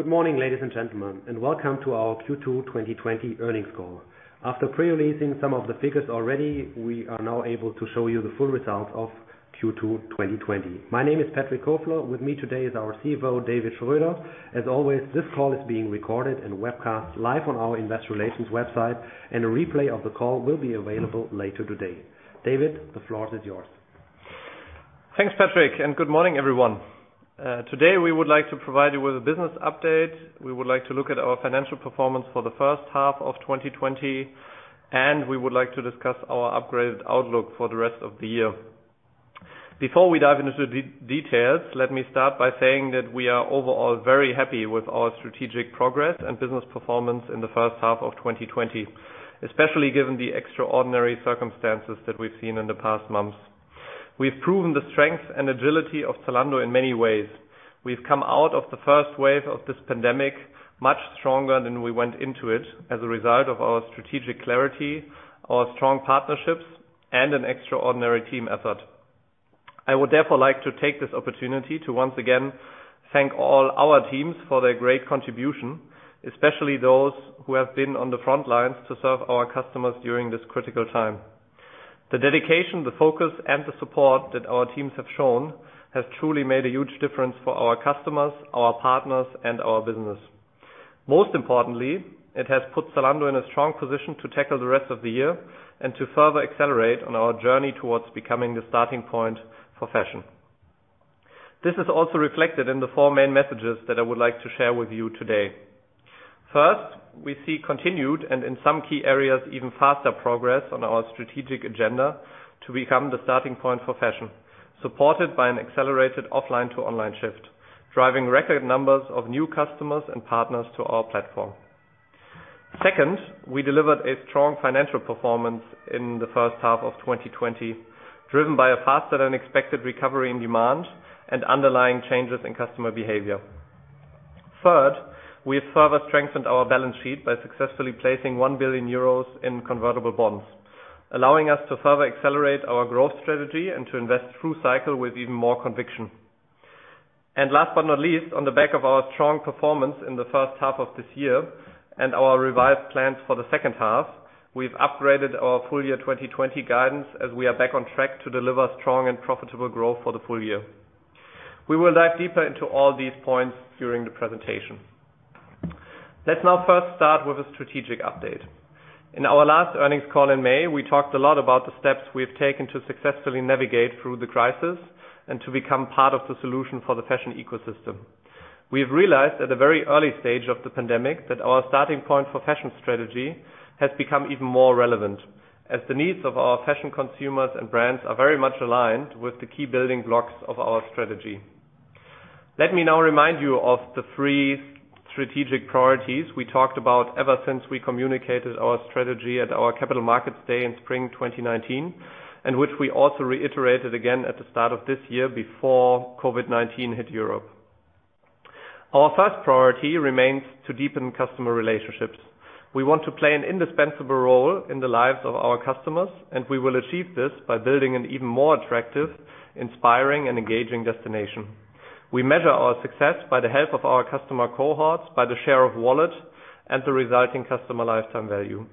Good morning, ladies and gentlemen, and welcome to our Q2 2020 earnings call. After pre-releasing some of the figures already, we are now able to show you the full results of Q2 2020. My name is Patrick Kofler. With me today is our CFO, David Schröder. As always, this call is being recorded and webcast live on our investor relations website, and a replay of the call will be available later today. David, the floor is yours. Thanks, Patrick. Good morning, everyone. Today we would like to provide you with a business update. We would like to look at our financial performance for the first half of 2020. We would like to discuss our upgraded outlook for the rest of the year. Before we dive into the details, let me start by saying that we are overall very happy with our strategic progress and business performance in the first half of 2020, especially given the extraordinary circumstances that we've seen in the past months. We've proven the strength and agility of Zalando in many ways. We've come out of the first wave of this pandemic much stronger than we went into it as a result of our strategic clarity, our strong partnerships, and an extraordinary team effort. I would therefore like to take this opportunity to once again thank all our teams for their great contribution, especially those who have been on the front lines to serve our customers during this critical time. The dedication, the focus, and the support that our teams have shown has truly made a huge difference for our customers, our partners, and our business. Most importantly, it has put Zalando in a strong position to tackle the rest of the year and to further accelerate on our journey towards becoming the starting point for fashion. This is also reflected in the four main messages that I would like to share with you today. First, we see continued, and in some key areas, even faster progress on our strategic agenda to become the starting point for fashion, supported by an accelerated offline-to-online shift, driving record numbers of new customers and partners to our platform. Second, we delivered a strong financial performance in the first half of 2020, driven by a faster than expected recovery in demand and underlying changes in customer behavior. Third, we have further strengthened our balance sheet by successfully placing 1 billion euros in convertible bonds, allowing us to further accelerate our growth strategy and to invest through cycle with even more conviction. Last but not least, on the back of our strong performance in the first half of this year and our revised plans for the second half, we've upgraded our full year 2020 guidance as we are back on track to deliver strong and profitable growth for the full year. We will dive deeper into all these points during the presentation. Let's now first start with a strategic update. In our last earnings call in May, we talked a lot about the steps we have taken to successfully navigate through the crisis and to become part of the solution for the fashion ecosystem. We've realized at the very early stage of the pandemic that our starting point for fashion strategy has become even more relevant as the needs of our fashion consumers and brands are very much aligned with the key building blocks of our strategy. Let me now remind you of the three strategic priorities we talked about ever since we communicated our strategy at our Capital Markets Day in spring 2019, and which we also reiterated again at the start of this year before COVID-19 hit Europe. Our first priority remains to deepen customer relationships. We want to play an indispensable role in the lives of our customers, and we will achieve this by building an even more attractive, inspiring, and engaging destination. We measure our success by the help of our customer cohorts, by the share of wallet, and the resulting customer lifetime value.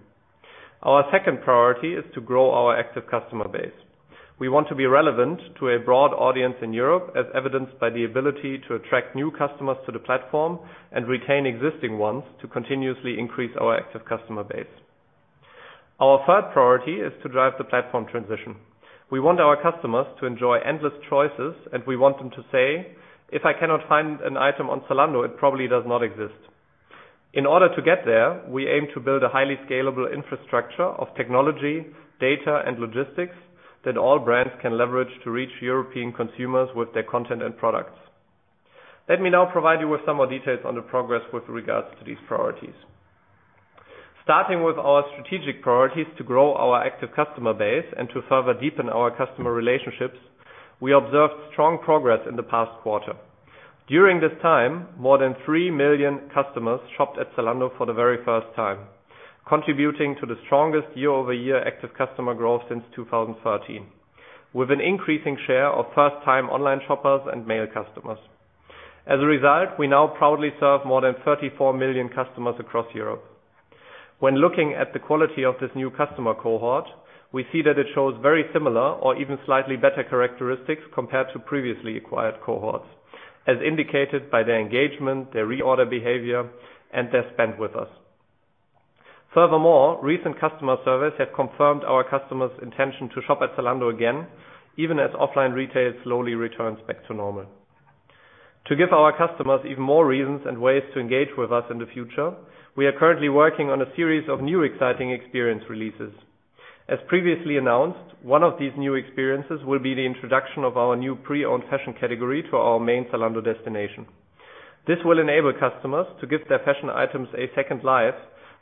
Our second priority is to grow our active customer base. We want to be relevant to a broad audience in Europe, as evidenced by the ability to attract new customers to the platform and retain existing ones to continuously increase our active customer base. Our third priority is to drive the platform transition. We want our customers to enjoy endless choices, and we want them to say, "If I cannot find an item on Zalando, it probably does not exist." In order to get there, we aim to build a highly scalable infrastructure of technology, data, and logistics that all brands can leverage to reach European consumers with their content and products. Let me now provide you with some more details on the progress with regards to these priorities. Starting with our strategic priorities to grow our active customer base and to further deepen our customer relationships, we observed strong progress in the past quarter. During this time, more than three million customers shopped at Zalando for the very first time, contributing to the strongest year-over-year active customer growth since 2013, with an increasing share of first-time online shoppers and male customers. As a result, we now proudly serve more than 34 million customers across Europe. When looking at the quality of this new customer cohort, we see that it shows very similar or even slightly better characteristics compared to previously acquired cohorts, as indicated by their engagement, their reorder behavior, and their spend with us. Furthermore, recent customer surveys have confirmed our customers' intention to shop at Zalando again, even as offline retail slowly returns back to normal. To give our customers even more reasons and ways to engage with us in the future, we are currently working on a series of new exciting experience releases. As previously announced, one of these new experiences will be the introduction of our new pre-owned fashion category to our main Zalando destination. This will enable customers to give their fashion items a second life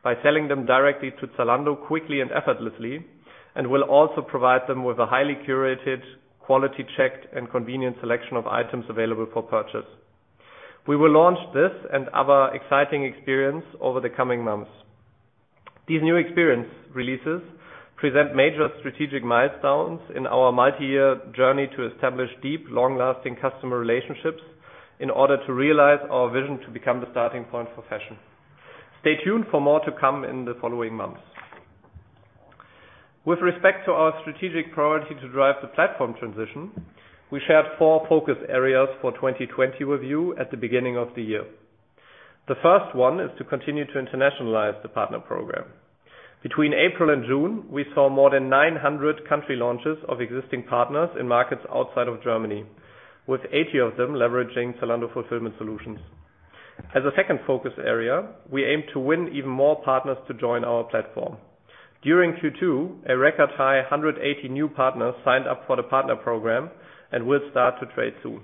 by selling them directly to Zalando quickly and effortlessly, and will also provide them with a highly curated, quality checked, and convenient selection of items available for purchase. We will launch this and other exciting experience over the coming months. These new experience releases present major strategic milestones in our multi-year journey to establish deep, long-lasting customer relationships in order to realize our vision to become the starting point for fashion. Stay tuned for more to come in the following months. With respect to our strategic priority to drive the platform transition, we shared four focus areas for 2020 with you at the beginning of the year. The first one is to continue to internationalize the Partner Program. Between April and June, we saw more than 900 country launches of existing partners in markets outside of Germany, with 80 of them leveraging Zalando Fulfillment Solutions. As a second focus area, we aim to win even more partners to join our platform. During Q2, a record high 180 new partners signed up for the Partner Program and will start to trade soon.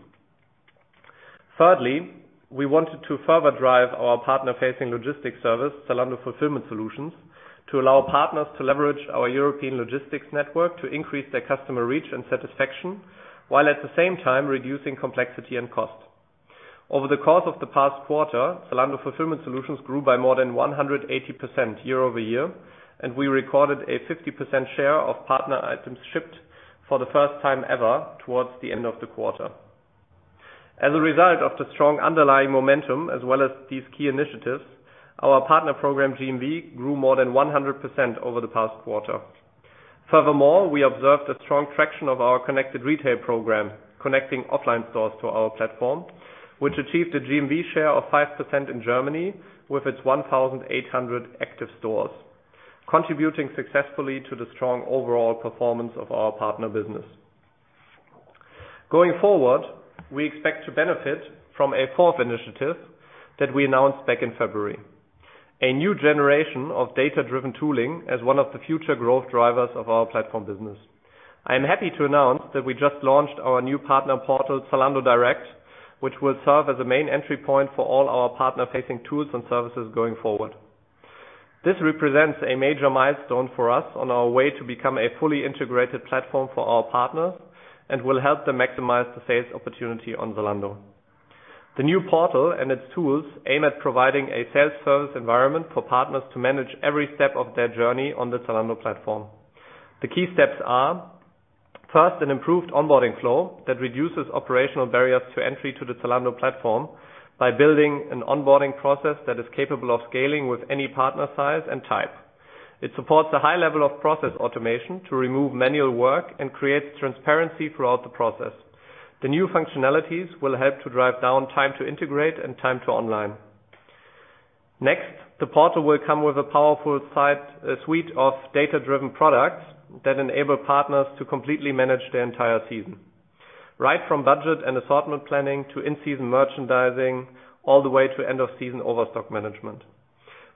Thirdly, we wanted to further drive our partner-facing logistics service, Zalando Fulfillment Solutions, to allow partners to leverage our European logistics network to increase their customer reach and satisfaction, while at the same time reducing complexity and cost. Over the course of the past quarter, Zalando Fulfillment Solutions grew by more than 180% year-over-year, and we recorded a 50% share of partner items shipped for the first time ever towards the end of the quarter. As a result of the strong underlying momentum, as well as these key initiatives, our Partner Program GMV grew more than 100% over the past quarter. We observed a strong traction of our Connected Retail program, connecting offline stores to our platform, which achieved a GMV share of 5% in Germany with its 1,800 active stores, contributing successfully to the strong overall performance of our partner business. Going forward, we expect to benefit from a fourth initiative that we announced back in February, a new generation of data-driven tooling as one of the future growth drivers of our platform business. I am happy to announce that we just launched our new partner portal, Zalando Direct, which will serve as a main entry point for all our partner-facing tools and services going forward. This represents a major milestone for us on our way to become a fully integrated platform for our partners and will help them maximize the sales opportunity on Zalando. The new portal and its tools aim at providing a self-service environment for partners to manage every step of their journey on the Zalando platform. The key steps are, first, an improved onboarding flow that reduces operational barriers to entry to the Zalando platform by building an onboarding process that is capable of scaling with any partner size and type. It supports a high level of process automation to remove manual work and creates transparency throughout the process. The new functionalities will help to drive down time to integrate and time to online. The portal will come with a powerful suite of data-driven products that enable partners to completely manage their entire season, right from budget and assortment planning to in-season merchandising, all the way to end-of-season overstock management.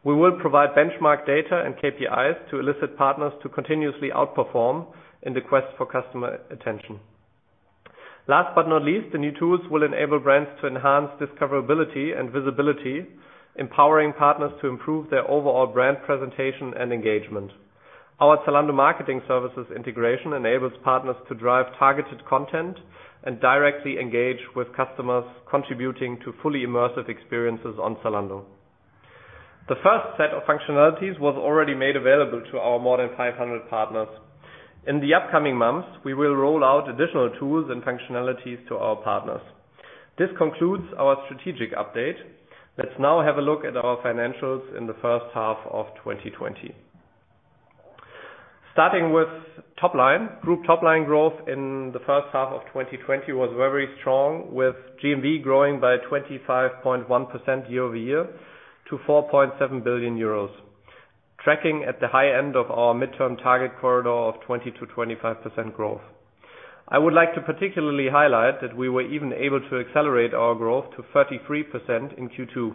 We will provide benchmark data and KPIs to elicit partners to continuously outperform in the quest for customer attention. Last but not least, the new tools will enable brands to enhance discoverability and visibility, empowering partners to improve their overall brand presentation and engagement. Our Zalando Marketing Services integration enables partners to drive targeted content and directly engage with customers, contributing to fully immersive experiences on Zalando. The first set of functionalities was already made available to our more than 500 partners. In the upcoming months, we will roll out additional tools and functionalities to our partners. This concludes our strategic update. Let's now have a look at our financials in the first half of 2020. Starting with top line, group top line growth in the first half of 2020 was very strong, with GMV growing by 25.1% year-over-year to 4.7 billion euros, tracking at the high end of our midterm target corridor of 20%-25% growth. I would like to particularly highlight that we were even able to accelerate our growth to 33% in Q2,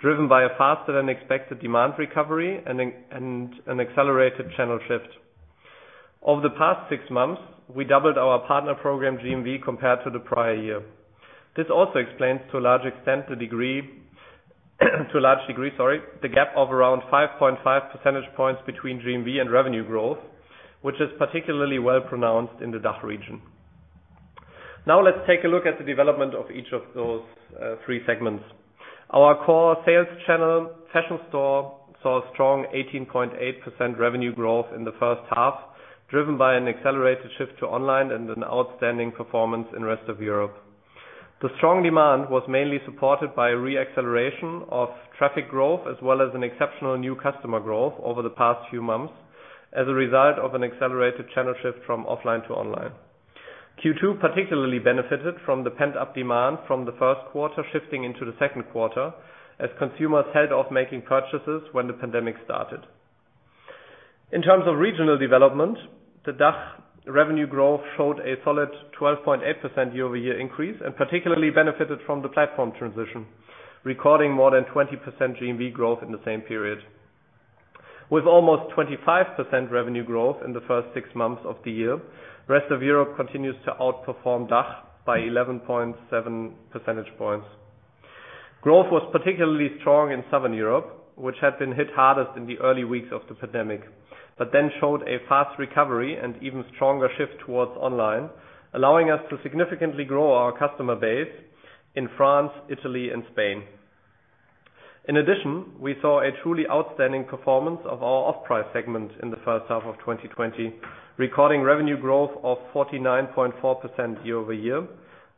driven by a faster than expected demand recovery and an accelerated channel shift. Over the past six months, we doubled our Partner Program GMV compared to the prior year. This also explains, to a large degree, the gap of around 5.5 percentage points between GMV and revenue growth, which is particularly well pronounced in the DACH region. Now let's take a look at the development of each of those three segments. Our core sales channel, Fashion Store, saw a strong 18.8% revenue growth in the first half, driven by an accelerated shift to online and an outstanding performance in rest of Europe. The strong demand was mainly supported by re-acceleration of traffic growth as well as an exceptional new customer growth over the past few months as a result of an accelerated channel shift from offline to online. Q2 particularly benefited from the pent-up demand from the first quarter shifting into the second quarter as consumers held off making purchases when the pandemic started. In terms of regional development, the DACH revenue growth showed a solid 12.8% year-over-year increase and particularly benefited from the platform transition, recording more than 20% GMV growth in the same period. With almost 25% revenue growth in the first six months of the year, rest of Europe continues to outperform DACH by 11.7 percentage points. Growth was particularly strong in Southern Europe, which had been hit hardest in the early weeks of the pandemic, but then showed a fast recovery and even stronger shift towards online, allowing us to significantly grow our customer base in France, Italy, and Spain. In addition, we saw a truly outstanding performance of our off-price segment in the first half of 2020, recording revenue growth of 49.4% year-over-year,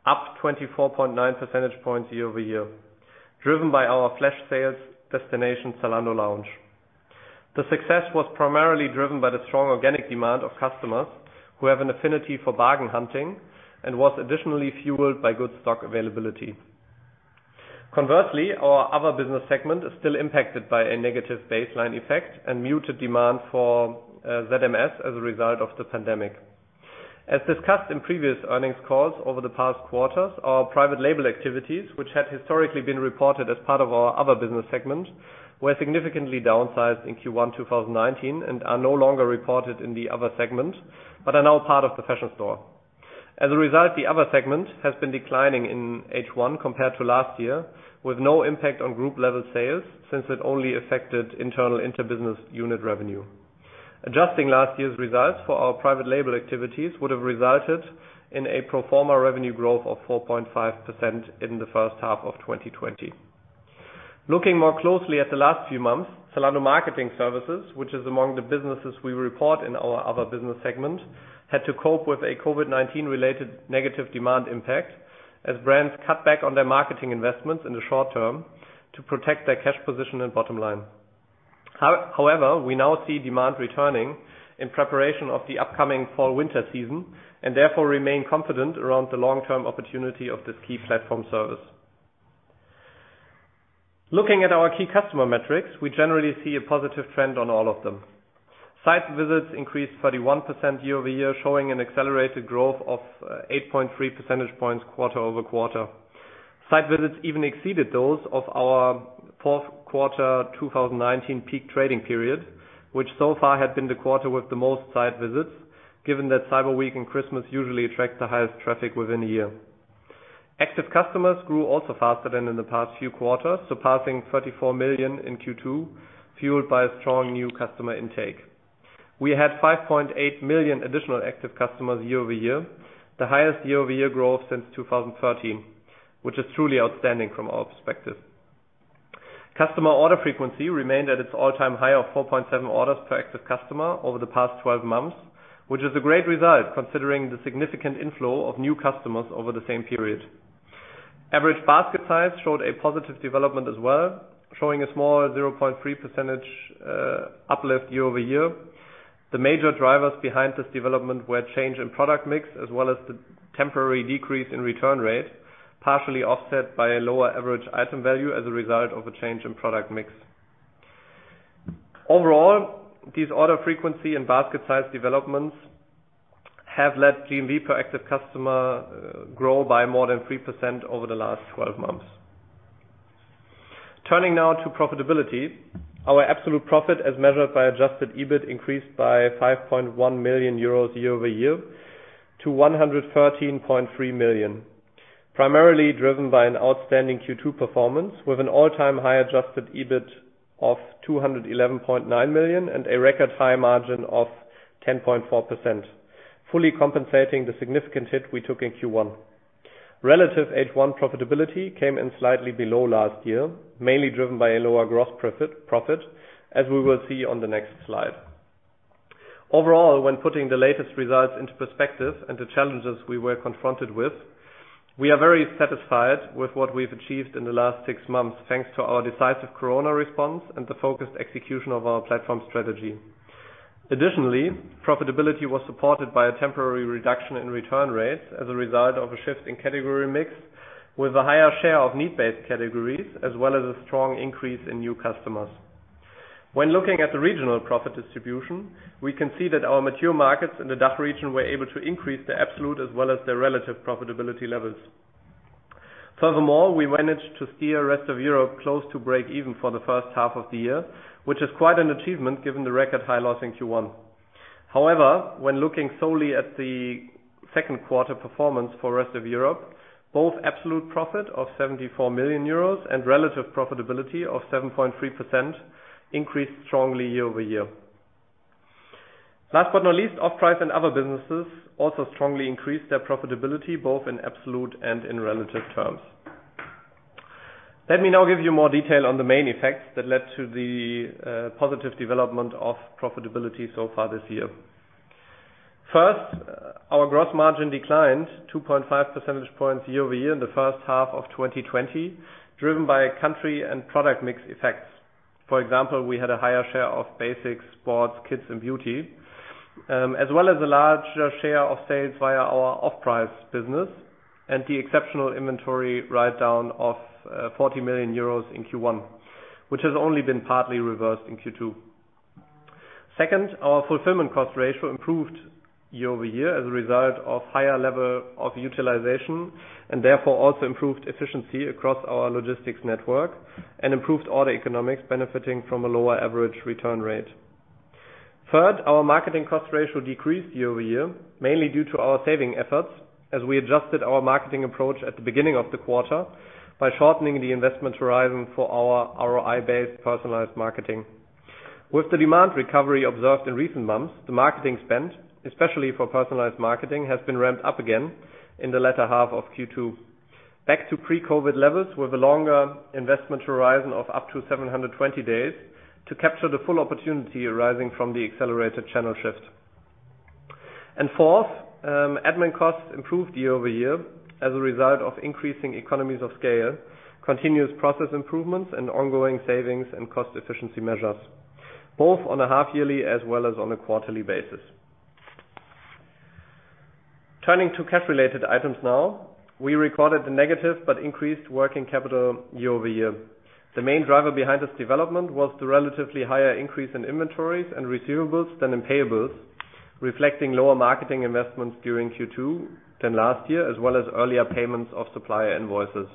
up 24.9 percentage points year-over-year, driven by our flash sales destination, Zalando Lounge. The success was primarily driven by the strong organic demand of customers who have an affinity for bargain hunting and was additionally fueled by good stock availability. Conversely, our other business segment is still impacted by a negative baseline effect and muted demand for ZMS as a result of the pandemic. As discussed in previous earnings calls over the past quarters, our private label activities, which had historically been reported as part of our other business segment, were significantly downsized in Q1 2019 and are no longer reported in the other segment, but are now part of the fashion store. As a result, the other segment has been declining in H1 compared to last year, with no impact on group level sales, since it only affected internal inter-business unit revenue. Adjusting last year's results for our private label activities would have resulted in a pro forma revenue growth of 4.5% in the first half of 2020. Looking more closely at the last few months, Zalando Marketing Services, which is among the businesses we report in our other business segment, had to cope with a COVID-19 related negative demand impact as brands cut back on their marketing investments in the short term to protect their cash position and bottom line. However, we now see demand returning in preparation of the upcoming fall-winter season and therefore remain confident around the long-term opportunity of this key platform service. Looking at our key customer metrics, we generally see a positive trend on all of them. Site visits increased 31% year-over-year, showing an accelerated growth of 8.3 percentage points quarter-over-quarter. Site visits even exceeded those of our Q4 2019 peak trading period, which so far had been the quarter with the most site visits, given that Cyber Week and Christmas usually attract the highest traffic within a year. Active customers grew also faster than in the past few quarters, surpassing 34 million in Q2, fueled by a strong new customer intake. We had 5.8 million additional active customers year-over-year, the highest year-over-year growth since 2013, which is truly outstanding from our perspective. Customer order frequency remained at its all-time high of 4.7 orders per active customer over the past 12 months, which is a great result considering the significant inflow of new customers over the same period. Average basket size showed a positive development as well, showing a small 0.3% uplift year-over-year. The major drivers behind this development were change in product mix, as well as the temporary decrease in return rate, partially offset by a lower average item value as a result of a change in product mix. Overall, these order frequency and basket size developments have let GMV per active customer grow by more than 3% over the last 12 months. Turning now to profitability. Our absolute profit, as measured by adjusted EBIT, increased by 5.1 million euros year-over-year to 113.3 million, primarily driven by an outstanding Q2 performance with an all-time high adjusted EBIT of 211.9 million and a record high margin of 10.4%, fully compensating the significant hit we took in Q1. Relative H1 profitability came in slightly below last year, mainly driven by a lower gross profit, as we will see on the next slide. Overall, when putting the latest results into perspective and the challenges we were confronted with, we are very satisfied with what we've achieved in the last six months, thanks to our decisive corona response and the focused execution of our platform strategy. Profitability was supported by a temporary reduction in return rates as a result of a shift in category mix with a higher share of need-based categories, as well as a strong increase in new customers. Looking at the regional profit distribution, we can see that our mature markets in the DACH region were able to increase their absolute as well as their relative profitability levels. Furthermore, we managed to steer rest of Europe close to break even for the first half of the year, which is quite an achievement given the record high loss in Q1. However, when looking solely at the second quarter performance for rest of Europe, both absolute profit of 74 million euros and relative profitability of 7.3% increased strongly year-over-year. Last but not least, off-price and other businesses also strongly increased their profitability, both in absolute and in relative terms. Let me now give you more detail on the main effects that led to the positive development of profitability so far this year. First, our gross margin declined 2.5 percentage points year-over-year in the first half of 2020, driven by country and product mix effects. For example, we had a higher share of basic sports, kids and beauty, as well as a larger share of sales via our off-price business and the exceptional inventory write-down of 40 million euros in Q1, which has only been partly reversed in Q2. Second, our fulfillment cost ratio improved year-over-year as a result of higher level of utilization and therefore also improved efficiency across our logistics network and improved order economics benefiting from a lower average return rate. Third, our marketing cost ratio decreased year-over-year, mainly due to our saving efforts as we adjusted our marketing approach at the beginning of the quarter by shortening the investment horizon for our ROI-based personalized marketing. With the demand recovery observed in recent months, the marketing spend, especially for personalized marketing, has been ramped up again in the latter half of Q2 back to pre-COVID-19 levels with a longer investment horizon of up to 720 days to capture the full opportunity arising from the accelerated channel shift. Fourth, admin costs improved year-over-year as a result of increasing economies of scale, continuous process improvements, and ongoing savings and cost efficiency measures, both on a half-yearly as well as on a quarterly basis. Turning to cash-related items now, we recorded a negative but increased working capital year-over-year. The main driver behind this development was the relatively higher increase in inventories and receivables than in payables, reflecting lower marketing investments during Q2 than last year, as well as earlier payments of supplier invoices.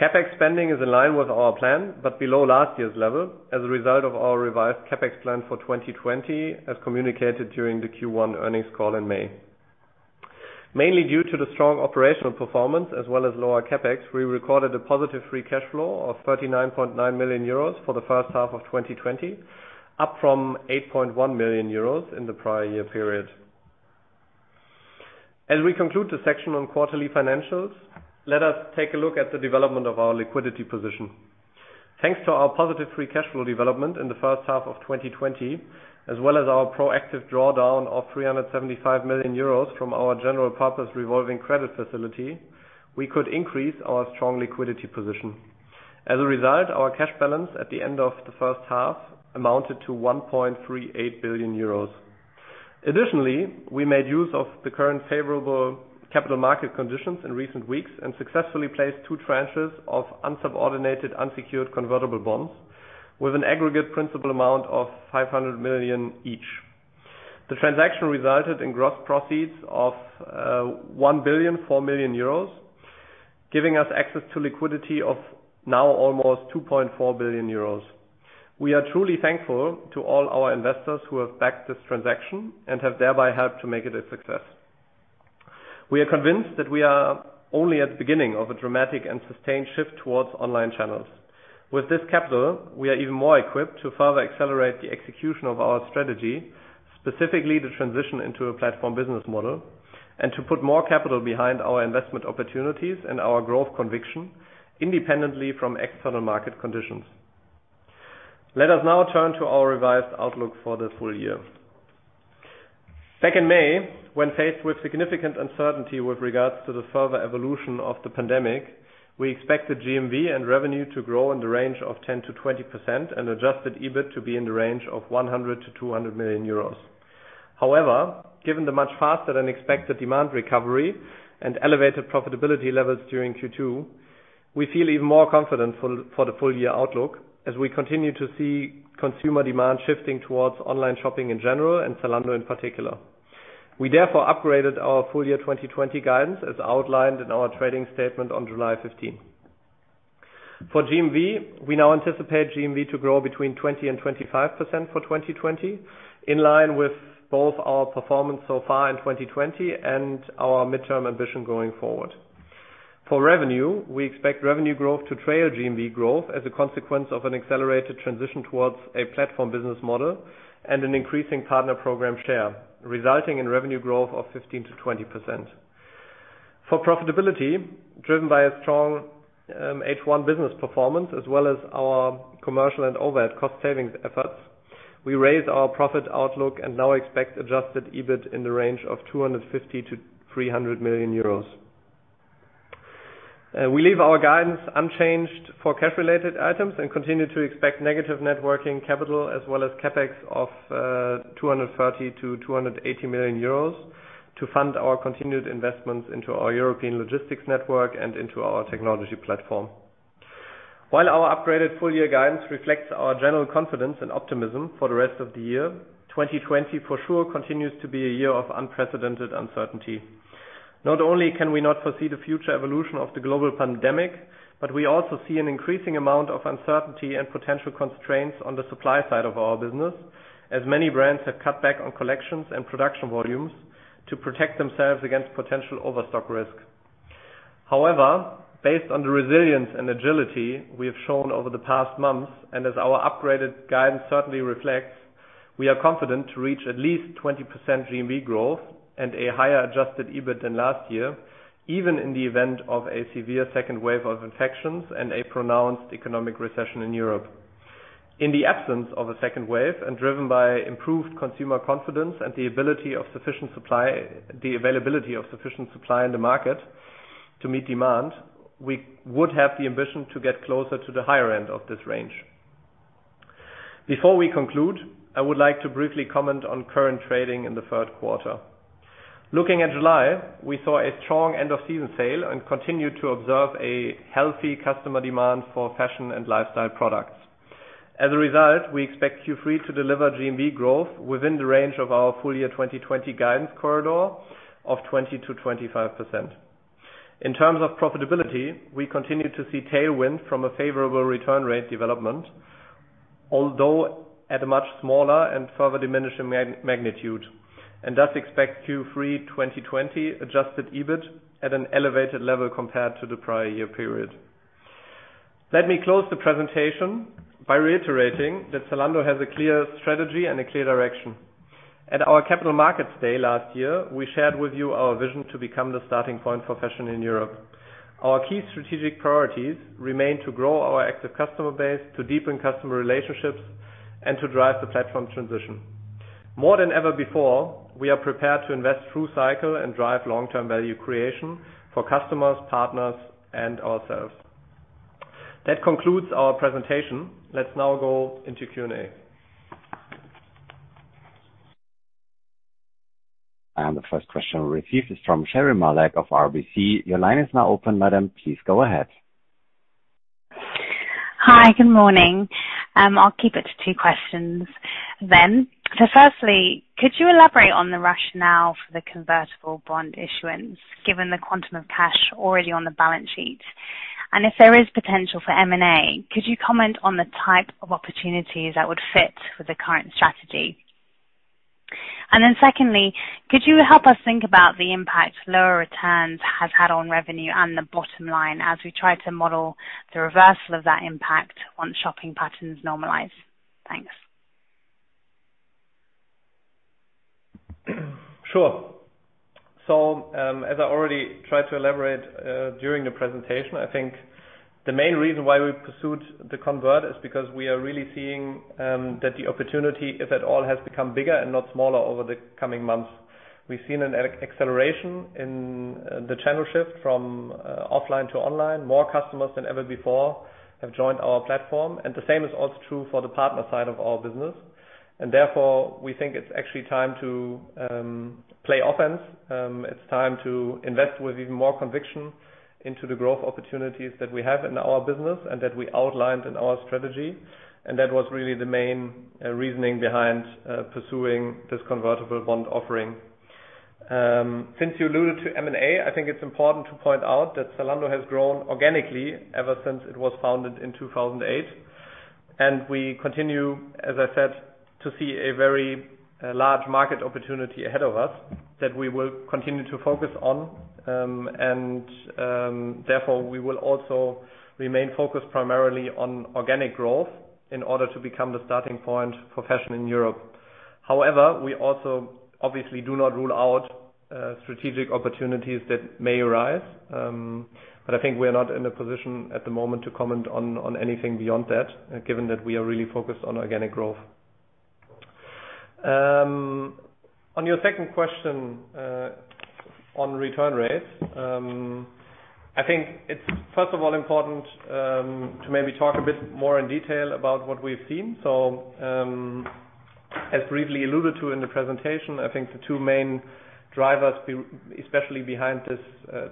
CapEx spending is in line with our plan, but below last year's level as a result of our revised CapEx plan for 2020, as communicated during the Q1 earnings call in May. Mainly due to the strong operational performance as well as lower CapEx, we recorded a positive free cash flow of 39.9 million euros for the first half of 2020, up from 8.1 million euros in the prior year period. As we conclude the section on quarterly financials, let us take a look at the development of our liquidity position. Thanks to our positive free cash flow development in the first half of 2020, as well as our proactive drawdown of 375 million euros from our general purpose revolving credit facility, we could increase our strong liquidity position. As a result, our cash balance at the end of the first half amounted to 1.38 billion euros. Additionally, we made use of the current favorable capital market conditions in recent weeks and successfully placed two tranches of unsubordinated, unsecured convertible bonds with an aggregate principal amount of 500 million each. The transaction resulted in gross proceeds of 1.04 billion, giving us access to liquidity of now almost 2.4 billion euros. We are truly thankful to all our investors who have backed this transaction and have thereby helped to make it a success. We are convinced that we are only at the beginning of a dramatic and sustained shift towards online channels. With this capital, we are even more equipped to further accelerate the execution of our strategy, specifically the transition into a platform business model, and to put more capital behind our investment opportunities and our growth conviction independently from external market conditions. Let us now turn to our revised outlook for the full year. Back in May, when faced with significant uncertainty with regards to the further evolution of the pandemic, we expected GMV and revenue to grow in the range of 10%-20% and adjusted EBIT to be in the range of 100 million-200 million euros. However, given the much faster than expected demand recovery and elevated profitability levels during Q2, we feel even more confident for the full-year outlook as we continue to see consumer demand shifting towards online shopping in general and Zalando in particular. We therefore upgraded our full-year 2020 guidance as outlined in our trading statement on July 15. For GMV, we now anticipate GMV to grow between 20% and 25% for 2020, in line with both our performance so far in 2020 and our midterm ambition going forward. For revenue, we expect revenue growth to trail GMV growth as a consequence of an accelerated transition towards a platform business model and an increasing Partner Program share, resulting in revenue growth of 15%-20%. For profitability, driven by a strong H1 business performance as well as our commercial and overhead cost-savings efforts, we raised our profit outlook and now expect adjusted EBIT in the range of 250 million-300 million euros. We leave our guidance unchanged for cash-related items and continue to expect negative net working capital as well as CapEx of 230 million-280 million euros to fund our continued investments into our European logistics network and into our technology platform. While our upgraded full-year guidance reflects our general confidence and optimism for the rest of the year, 2020 for sure continues to be a year of unprecedented uncertainty. Not only can we not foresee the future evolution of the global pandemic, but we also see an increasing amount of uncertainty and potential constraints on the supply side of our business, as many brands have cut back on collections and production volumes to protect themselves against potential overstock risk. However, based on the resilience and agility we have shown over the past months, and as our upgraded guidance certainly reflects, we are confident to reach at least 20% GMV growth and a higher adjusted EBIT than last year, even in the event of a severe second wave of infections and a pronounced economic recession in Europe. In the absence of a second wave, and driven by improved consumer confidence and the availability of sufficient supply in the market to meet demand, we would have the ambition to get closer to the higher end of this range. Before we conclude, I would like to briefly comment on current trading in the third quarter. Looking at July, we saw a strong end of season sale and continued to observe a healthy customer demand for fashion and lifestyle products. As a result, we expect Q3 to deliver GMV growth within the range of our full-year 2020 guidance corridor of 20%-25%. In terms of profitability, we continue to see tailwind from a favorable return rate development, although at a much smaller and further diminishing magnitude. Thus expect Q3 2020 adjusted EBIT at an elevated level compared to the prior year period. Let me close the presentation by reiterating that Zalando has a clear strategy and a clear direction. At our Capital Markets Day last year, we shared with you our vision to become the starting point for fashion in Europe. Our key strategic priorities remain to grow our active customer base, to deepen customer relationships, and to drive the platform transition. More than ever before, we are prepared to invest through cycle and drive long-term value creation for customers, partners, and ourselves. That concludes our presentation. Let's now go into Q&A. The first question we'll receive is from Sherri Malek of RBC. Your line is now open, madam. Please go ahead. Hi, good morning. I'll keep it to two questions then. Firstly, could you elaborate on the rationale for the convertible bond issuance, given the quantum of cash already on the balance sheet? If there is potential for M&A, could you comment on the type of opportunities that would fit with the current strategy? Secondly, could you help us think about the impact lower returns has had on revenue and the bottom line as we try to model the reversal of that impact on shopping patterns normalize? Thanks. Sure. As I already tried to elaborate during the presentation, I think the main reason why we pursued the convert is because we are really seeing that the opportunity, if at all, has become bigger and not smaller over the coming months. We've seen an acceleration in the channel shift from offline to online. More customers than ever before have joined our platform. The same is also true for the partner side of our business. Therefore, we think it's actually time to play offense. It's time to invest with even more conviction into the growth opportunities that we have in our business and that we outlined in our strategy. That was really the main reasoning behind pursuing this convertible bond offering. Since you alluded to M&A, I think it's important to point out that Zalando has grown organically ever since it was founded in 2008. We continue, as I said, to see a very large market opportunity ahead of us that we will continue to focus on. Therefore, we will also remain focused primarily on organic growth in order to become the starting point for fashion in Europe. However, we also obviously do not rule out strategic opportunities that may arise. I think we're not in a position at the moment to comment on anything beyond that, given that we are really focused on organic growth. On your second question on return rates. I think it's first of all important to maybe talk a bit more in detail about what we've seen. As briefly alluded to in the presentation, I think the two main drivers, especially behind this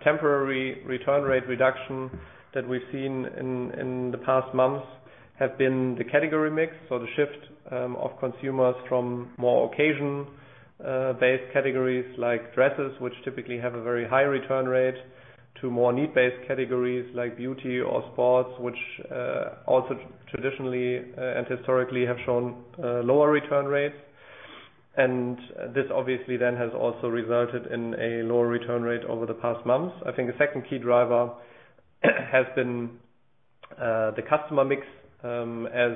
temporary return rate reduction that we've seen in the past months, have been the category mix. The shift of consumers from more occasion-based categories like dresses, which typically have a very high return rate, to more need-based categories like beauty or sports, which also traditionally and historically have shown lower return rates. This obviously then has also resulted in a lower return rate over the past months. I think the second key driver has been the customer mix. As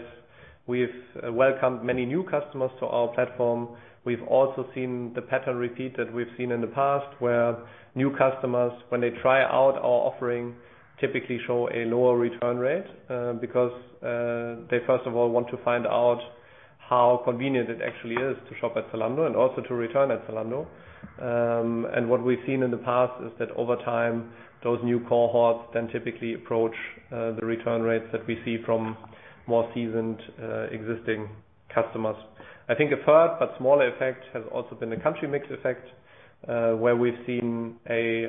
we've welcomed many new customers to our platform, we've also seen the pattern repeat that we've seen in the past, where new customers, when they try out our offering, typically show a lower return rate. They first of all want to find out how convenient it actually is to shop at Zalando and also to return at Zalando. What we've seen in the past is that over time, those new cohorts then typically approach the return rates that we see from more seasoned existing customers. I think a third but smaller effect has also been the country mix effect, where we've seen a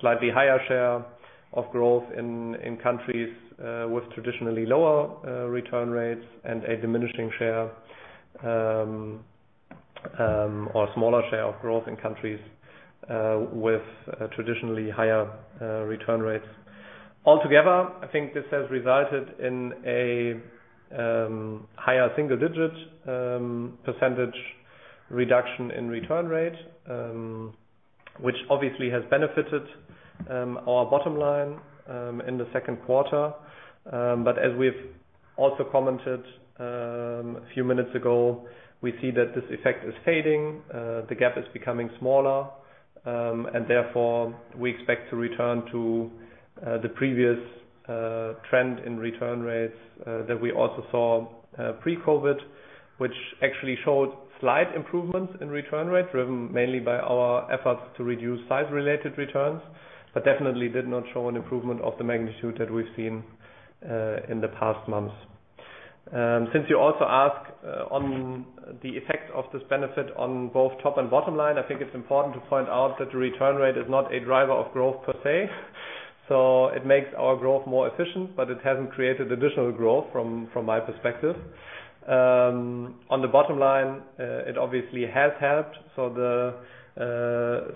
slightly higher share of growth in countries with traditionally lower return rates and a diminishing share or smaller share of growth in countries with traditionally higher return rates. Altogether, I think this has resulted in a higher single-digit percentage reduction in return rate, which obviously has benefited our bottom line in the second quarter. As we've also commented a few minutes ago, we see that this effect is fading. The gap is becoming smaller. Therefore, we expect to return to the previous trend in return rates that we also saw pre-COVID-19, which actually showed slight improvements in return rates, but definitely did not show an improvement of the magnitude that we've seen in the past months. Since you also asked on the effect of this benefit on both top and bottom line, I think it's important to point out that the return rate is not a driver of growth per se. It makes our growth more efficient, but it hasn't created additional growth from my perspective. On the bottom line, it obviously has helped. The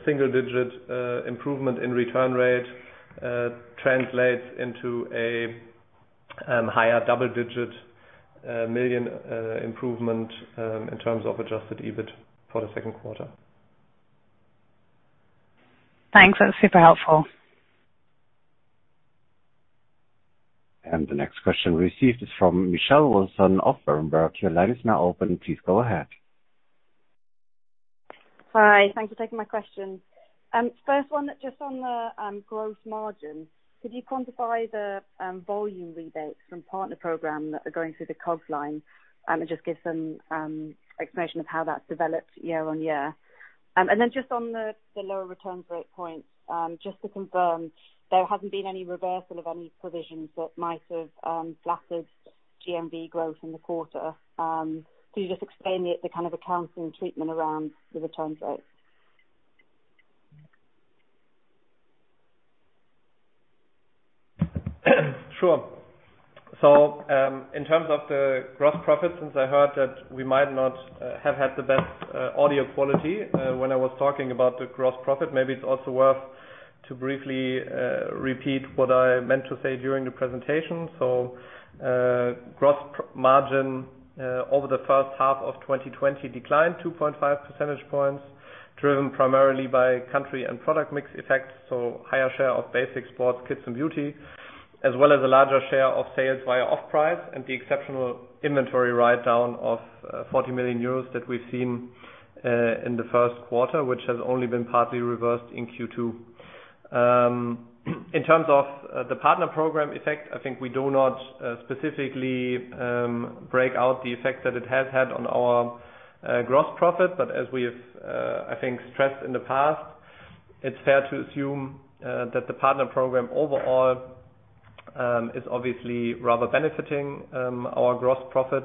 single-digit improvement in return rate translates into a higher double-digit million improvement in terms of adjusted EBIT for the second quarter. Thanks. That's super helpful. The next question received is from Michelle Wilson of Berenberg. Your line is now open. Please go ahead. Hi. Thank you for taking my question. First one on the gross margin. Could you quantify the volume rebates from Partner Program that are going through the COGS line and just give some explanation of how that's developed year-over-year? Just on the lower return rate points, just to confirm, there hasn't been any reversal of any provisions that might have flatted GMV growth in the quarter. Can you just explain the kind of accounting treatment around the return rate? Sure. In terms of the gross profit, since I heard that we might not have had the best audio quality when I was talking about the gross profit, maybe it's also worth to briefly repeat what I meant to say during the presentation. Gross margin over the first half of 2020 declined 2.5 percentage points, driven primarily by country and product mix effects, so higher share of basic sports, kids and beauty, as well as a larger share of sales via off-price and the exceptional inventory write-down of 40 million euros that we've seen in the first quarter, which has only been partly reversed in Q2. In terms of the Partner Program effect, I think we do not specifically break out the effect that it has had on our gross profit. As we have, I think, stressed in the past, it's fair to assume that the Partner Program overall is obviously rather benefiting our gross profit.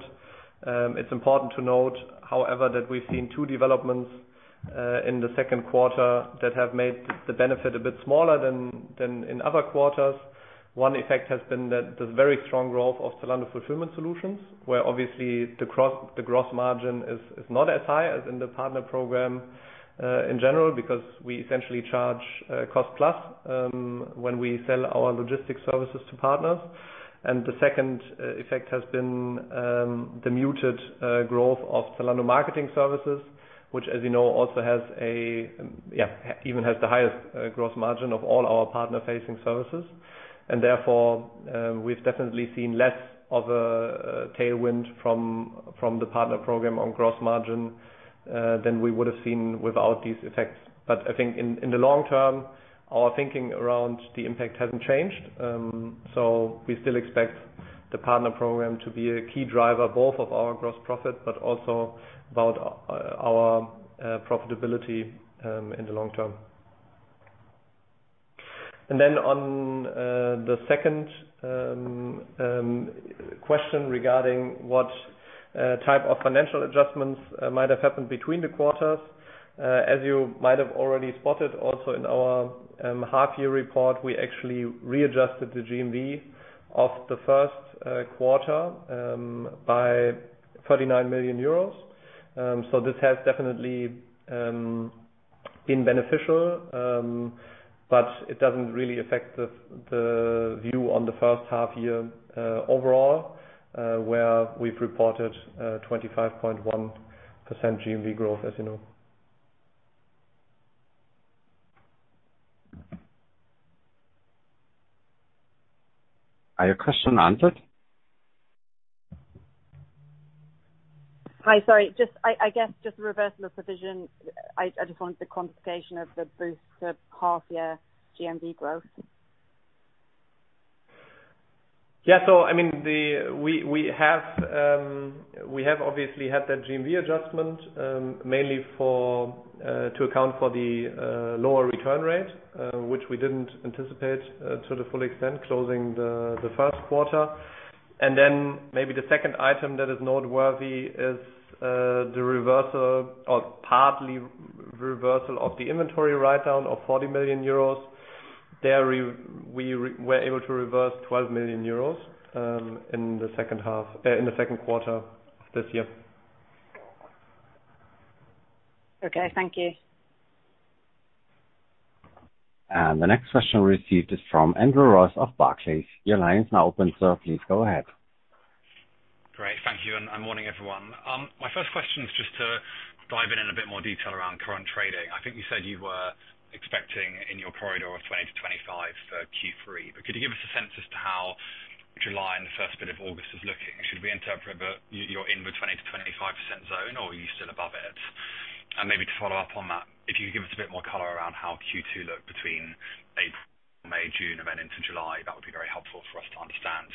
It's important to note, however, that we've seen two developments in the second quarter that have made the benefit a bit smaller than in other quarters. One effect has been the very strong growth of Zalando Fulfillment Solutions, where obviously the gross margin is not as high as in the Partner Program in general because we essentially charge cost plus when we sell our logistics services to partners. The second effect has been the muted growth of Zalando Marketing Services, which as you know, even has the highest gross margin of all our partner-facing services. Therefore, we've definitely seen less of a tailwind from the Partner Program on gross margin than we would have seen without these effects. I think in the long term, our thinking around the impact hasn't changed. We still expect the Partner Program to be a key driver, both of our gross profit, but also about our profitability in the long term. On the second question regarding what type of financial adjustments might have happened between the quarters. As you might have already spotted also in our half-year report, we actually readjusted the GMV of the first quarter by 39 million euros. This has definitely been beneficial, but it doesn't really affect the view on the first half year overall, where we've reported 25.1% GMV growth, as you know. Are your question answered? Hi. Sorry, I guess just the reversal of provision. I just wanted the quantification of the boost to half-year GMV growth. Yeah. We have obviously had that GMV adjustment, mainly to account for the lower return rate, which we didn't anticipate to the full extent closing the first quarter. Maybe the second item that is noteworthy is the reversal or partly reversal of the inventory write-down of 40 million euros. There, we were able to reverse 12 million euros in the second quarter of this year. Okay. Thank you. The next question received is from Andrew Ross of Barclays. Your line is now open, sir. Please go ahead. Great. Thank you. Morning, everyone. My first question is just to dive in a bit more detail around current trading. I think you said you were expecting in your corridor of 20%-25% for Q3, but could you give us a sense as to how July and the first bit of August is looking? Should we interpret that you're in the 20%-25% zone, or are you still above it? Maybe to follow up on that, if you could give us a bit more color around how Q2 looked between April, May, June, and then into July, that would be very helpful for us to understand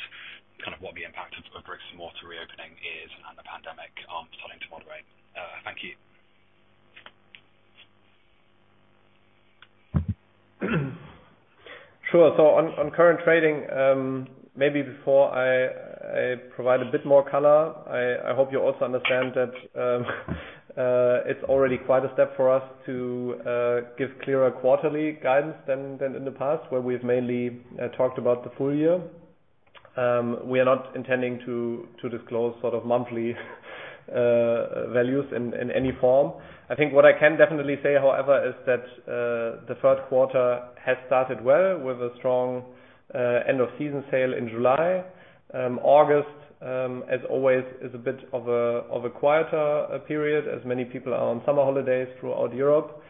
kind of what the impact of bricks-and-mortar reopening is and the pandemic starting to moderate. Thank you. Sure. On current trading, maybe before I provide a bit more color, I hope you also understand that it's already quite a step for us to give clearer quarterly guidance than in the past, where we've mainly talked about the full year. We are not intending to disclose sort of monthly values in any form. I think what I can definitely say, however, is that the third quarter has started well with a strong end of season sale in July. August, as always, is a bit of a quieter period as many people are on summer holidays throughout Europe.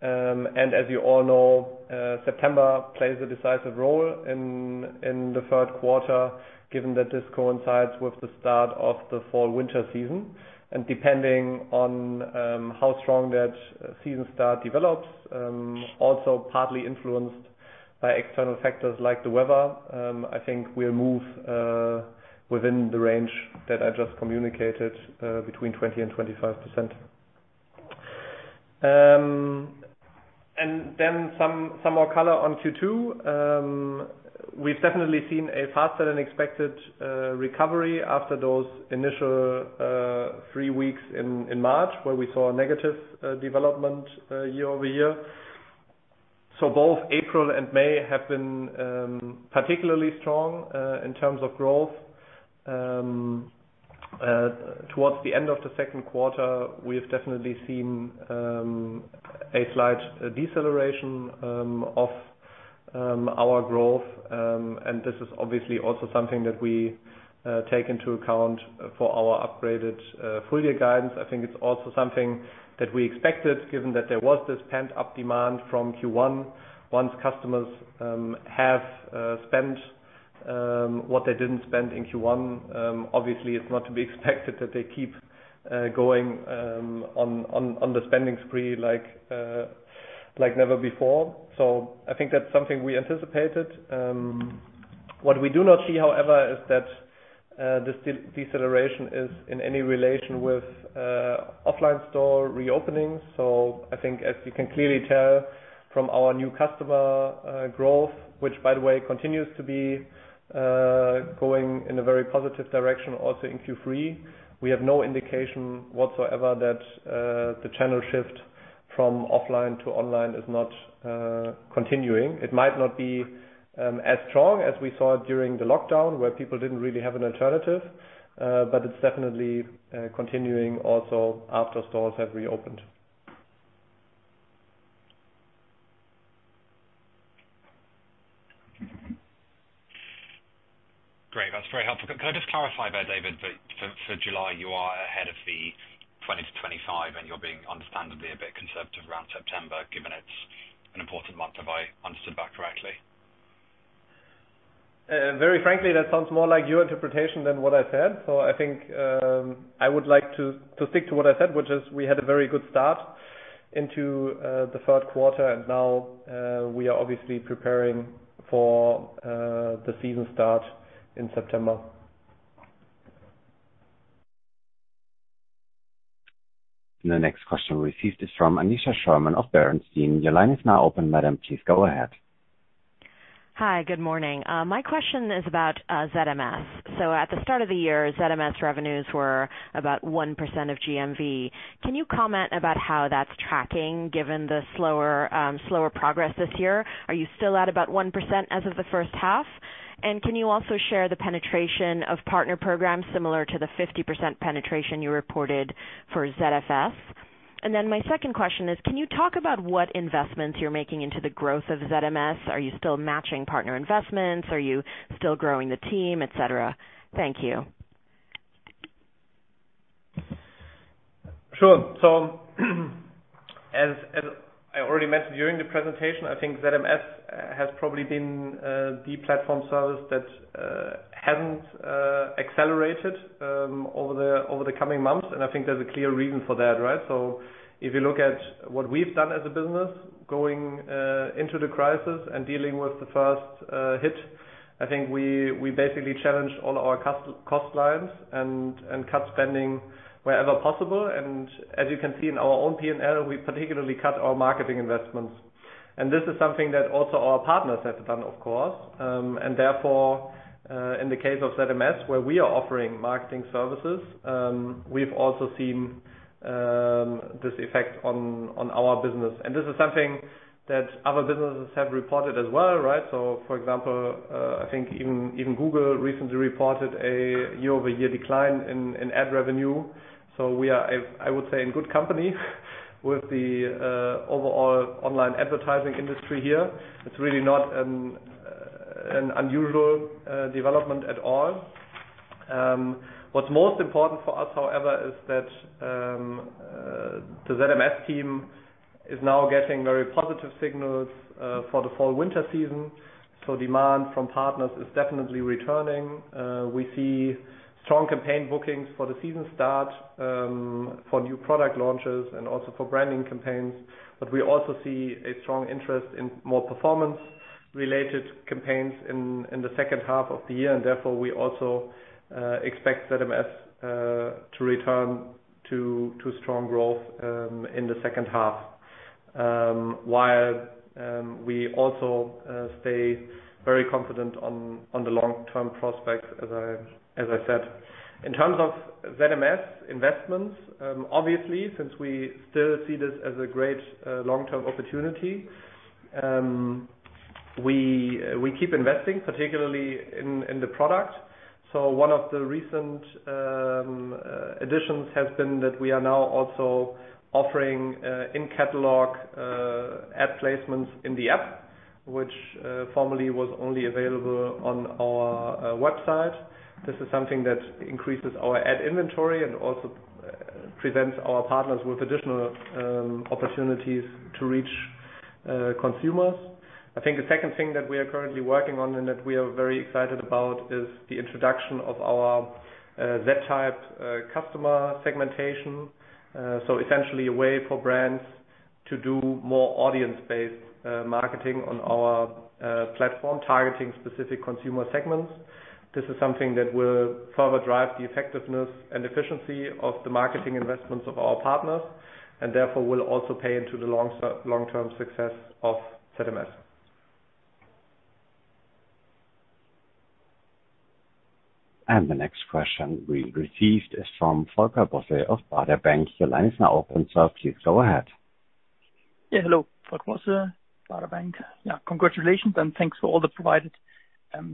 As you all know, September plays a decisive role in the third quarter given that this coincides with the start of the fall-winter season. Depending on how strong that season start develops, also partly influenced by external factors like the weather, I think we'll move within the range that I just communicated, between 20% and 25%. Then some more color on Q2. We've definitely seen a faster-than-expected recovery after those initial three weeks in March, where we saw a negative development year-over-year. Both April and May have been particularly strong in terms of growth. Towards the end of the second quarter, we have definitely seen a slight deceleration of our growth, and this is obviously also something that we take into account for our upgraded full year guidance. I think it's also something that we expected, given that there was this pent-up demand from Q1. Once customers have spent what they didn't spend in Q1, obviously it's not to be expected that they keep going on the spending spree like never before. I think that's something we anticipated. What we do not see, however, is that this deceleration is in any relation with offline store reopenings. I think as you can clearly tell from our new customer growth, which by the way continues to be going in a very positive direction also in Q3, we have no indication whatsoever that the channel shift from offline to online is not continuing. It might not be as strong as we saw during the lockdown, where people didn't really have an alternative, but it's definitely continuing also after stores have reopened. Great. That's very helpful. Could I just clarify there, David, that for July you are ahead of the 20%-25% and you're being understandably a bit conservative around September, given it's an important month. Have I understood that correctly? Very frankly, that sounds more like your interpretation than what I said. I think I would like to stick to what I said, which is we had a very good start into the third quarter, and now we are obviously preparing for the season start in September. The next question received is from Aneesha Sherman of Bernstein. Your line is now open, madam. Please go ahead. Hi, good morning. My question is about ZMS. At the start of the year, ZMS revenues were about 1% of GMV. Can you comment about how that's tracking given the slower progress this year? Are you still at about 1% as of the first half? Can you also share the penetration of Partner Programs similar to the 50% penetration you reported for ZFS? My second question is, can you talk about what investments you're making into the growth of ZMS? Are you still matching partner investments? Are you still growing the team, et cetera? Thank you. Sure. As I already mentioned during the presentation, I think ZMS has probably been the platform service that hasn't accelerated over the coming months, and I think there's a clear reason for that, right? If you look at what we've done as a business going into the crisis and dealing with the first hit, I think we basically challenged all our cost lines and cut spending wherever possible. As you can see in our own P&L, we particularly cut our marketing investments. This is something that also our partners have done, of course. Therefore, in the case of ZMS, where we are offering marketing services, we've also seen this effect on our business. This is something that other businesses have reported as well, right? For example, I think even Google recently reported a year-over-year decline in ad revenue. We are, I would say, in good company with the overall online advertising industry here. It's really not an unusual development at all. What's most important for us, however, is that the ZMS team is now getting very positive signals for the fall-winter season. Demand from partners is definitely returning. We see strong campaign bookings for the season start, for new product launches and also for branding campaigns. We also see a strong interest in more performance-related campaigns in the second half of the year, and therefore we also expect ZMS to return to strong growth in the second half, while we also stay very confident on the long-term prospects, as I said. In terms of ZMS investments, obviously, since we still see this as a great long-term opportunity, we keep investing, particularly in the product. One of the recent additions has been that we are now also offering in-catalog ad placements in the app, which formerly was only available on our website. This is something that increases our ad inventory and also presents our partners with additional opportunities to reach consumers. I think the second thing that we are currently working on and that we are very excited about is the introduction of our zTypes customer segmentation. Essentially a way for brands to do more audience-based marketing on our platform, targeting specific consumer segments. This is something that will further drive the effectiveness and efficiency of the marketing investments of our partners, and therefore will also pay into the long-term success of Zalando. The next question we received is from Volker Bosse of Baader Bank. Your line is now open, sir. Please go ahead. Hello, Volker Bosse, Baader Bank. Congratulations and thanks for all the provided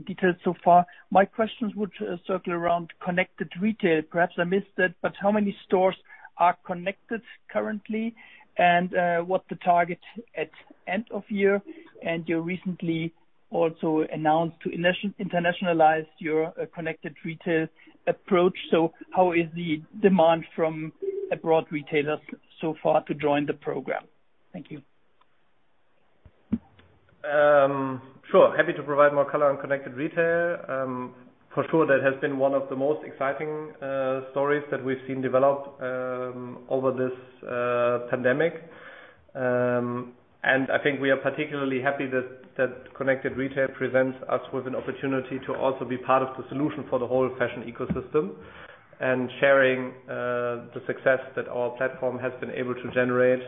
details so far. My questions would circle around Connected Retail. Perhaps I missed it, but how many stores are connected currently, and what's the target at end of year? You recently also announced to internationalize your Connected Retail approach. How is the demand from abroad retailers so far to join the program? Thank you. Sure. Happy to provide more color on Connected Retail. For sure that has been one of the most exciting stories that we've seen develop over this pandemic. I think we are particularly happy that Connected Retail presents us with an opportunity to also be part of the solution for the whole fashion ecosystem and sharing the success that our platform has been able to generate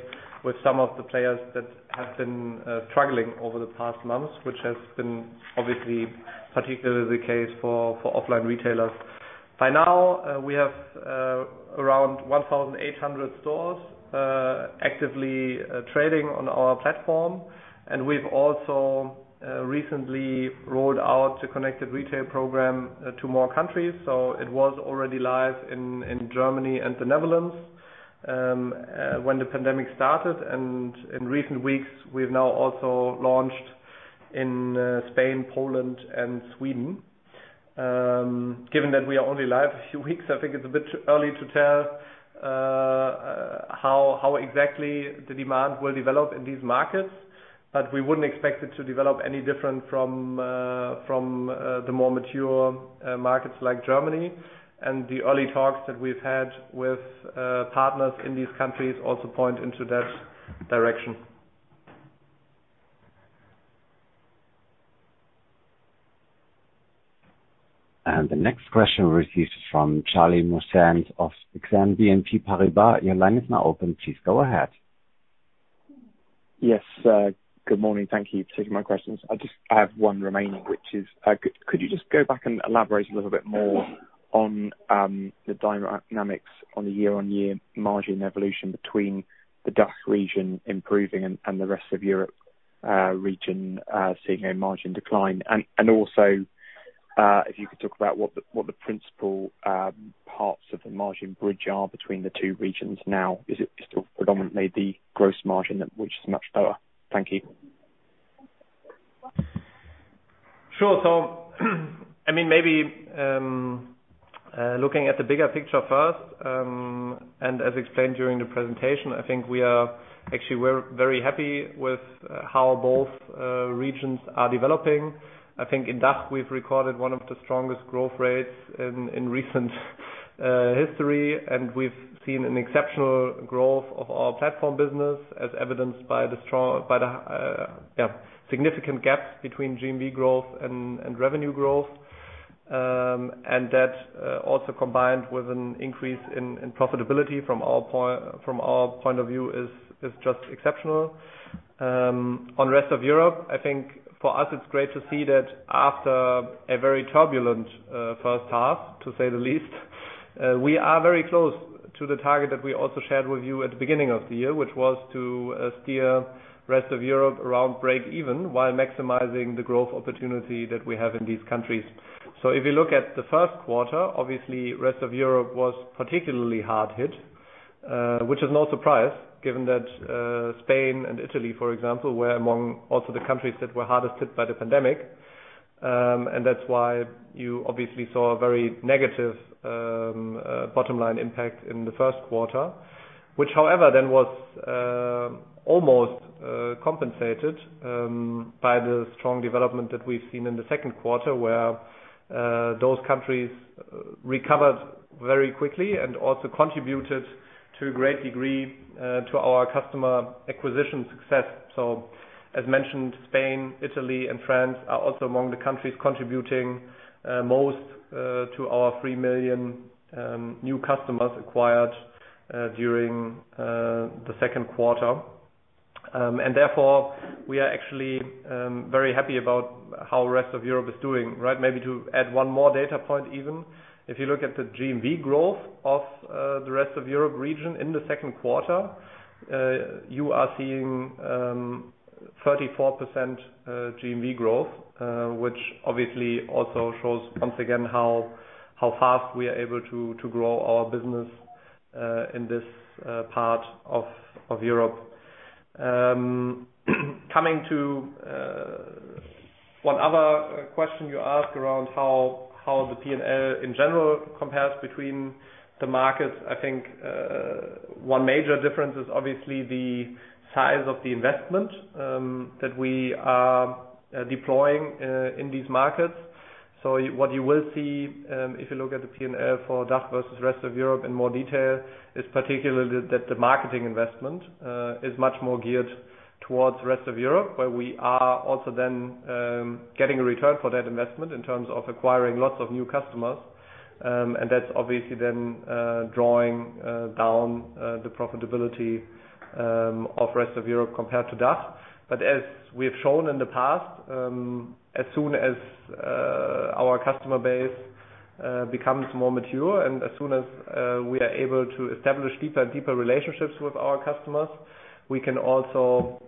with some of the players that have been struggling over the past months, which has been obviously particularly the case for offline retailers. By now, we have around 1,800 stores actively trading on our platform, and we've also recently rolled out the Connected Retail program to more countries. It was already live in Germany and the Netherlands when the pandemic started, and in recent weeks, we've now also launched in Spain, Poland and Sweden. Given that we are only live a few weeks, I think it's a bit early to tell how exactly the demand will develop in these markets, but we wouldn't expect it to develop any different from the more mature markets like Germany and the early talks that we've had with partners in these countries also point into that direction. The next question received from Charlie Muir-Sands of Exane BNP Paribas. Your line is now open. Please go ahead. Yes. Good morning. Thank you for taking my questions. I have one remaining, which is, could you just go back and elaborate a little bit more on the dynamics on the year-on-year margin evolution between the DACH region improving and the rest of Europe region seeing a margin decline? Also, if you could talk about what the principal parts of the margin bridge are between the two regions now. Is it still predominantly the gross margin, which is much lower? Thank you. Sure. Maybe looking at the bigger picture first, and as explained during the presentation, I think we're very happy with how both regions are developing. I think in DACH we've recorded one of the strongest growth rates in recent history, and we've seen an exceptional growth of our platform business as evidenced by the significant gaps between GMV growth and revenue growth. That, also combined with an increase in profitability from our point of view is just exceptional. On rest of Europe, I think for us it's great to see that after a very turbulent first half, to say the least, we are very close to the target that we also shared with you at the beginning of the year, which was to steer rest of Europe around break even while maximizing the growth opportunity that we have in these countries. If you look at the first quarter, obviously rest of Europe was particularly hard hit, which is no surprise given that Spain and Italy, for example, were among also the countries that were hardest hit by the pandemic. That's why you obviously saw a very negative bottom line impact in the first quarter, which, however, then was almost compensated by the strong development that we've seen in the second quarter, where those countries recovered very quickly and also contributed to a great degree to our customer acquisition success. As mentioned, Spain, Italy and France are also among the countries contributing most to our 3 million new customers acquired during the second quarter. Therefore, we are actually very happy about how the rest of Europe is doing. Maybe to add one more data point even, if you look at the GMV growth of the rest of Europe region in the second quarter, you are seeing 34% GMV growth, which obviously also shows once again how fast we are able to grow our business in this part of Europe. Coming to one other question you asked around how the P&L in general compares between the markets. I think one major difference is obviously the size of the investment that we are deploying in these markets. What you will see, if you look at the P&L for DACH versus the rest of Europe in more detail, is particularly that the marketing investment is much more geared towards the rest of Europe, where we are also then getting a return for that investment in terms of acquiring lots of new customers. That's obviously drawing down the profitability of the rest of Europe compared to DACH. As we have shown in the past, as soon as our customer base becomes more mature and as soon as we are able to establish deeper and deeper relationships with our customers, we can also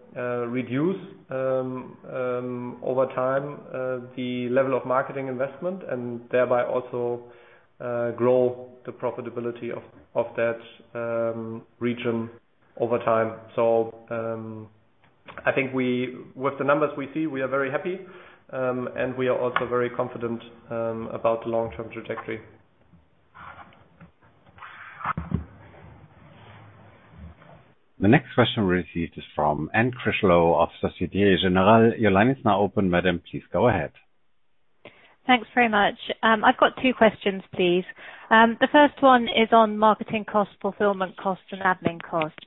reduce, over time, the level of marketing investment and thereby also grow the profitability of that region over time. I think with the numbers we see, we are very happy, and we are also very confident about the long-term trajectory. The next question received is from Anne Critchlow of Société Générale. Your line is now open, madam. Please go ahead. Thanks very much. I've got two questions, please. The first one is on marketing cost, fulfillment cost, and admin costs.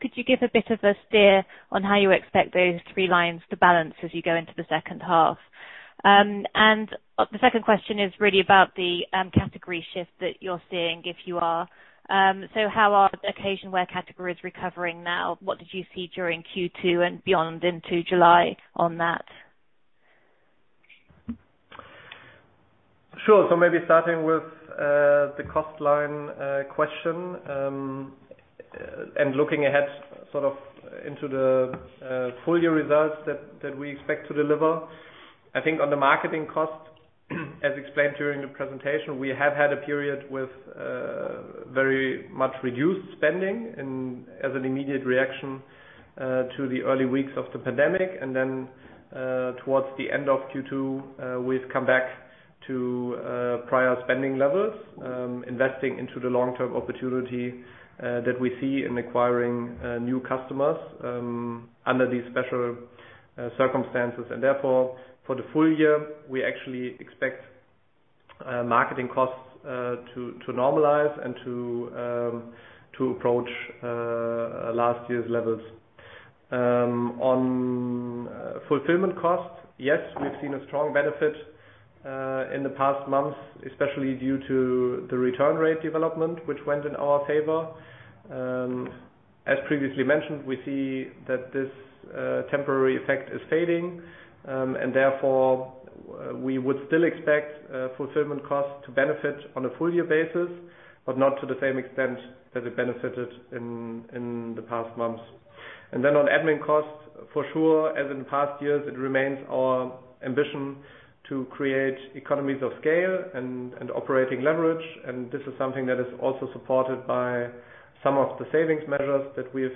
Could you give a bit of a steer on how you expect those three lines to balance as you go into the second half? The second question is really about the category shift that you're seeing, if you are. How are the occasion wear categories recovering now? What did you see during Q2 and beyond into July on that? Sure. Maybe starting with the cost line question, and looking ahead into the full year results that we expect to deliver. I think on the marketing cost, as explained during the presentation, we have had a period with very much reduced spending as an immediate reaction to the early weeks of the pandemic. Towards the end of Q2, we've come back to prior spending levels, investing into the long-term opportunity that we see in acquiring new customers under these special circumstances. Therefore, for the full year, we actually expect marketing costs to normalize and to approach last year's levels. On fulfillment costs, yes, we've seen a strong benefit in the past month, especially due to the return rate development, which went in our favor. As previously mentioned, we see that this temporary effect is fading. Therefore, we would still expect fulfillment costs to benefit on a full year basis, but not to the same extent that it benefited in the past month. On admin costs, for sure, as in past years, it remains our ambition to create economies of scale and operating leverage. This is something that is also supported by some of the savings measures that we've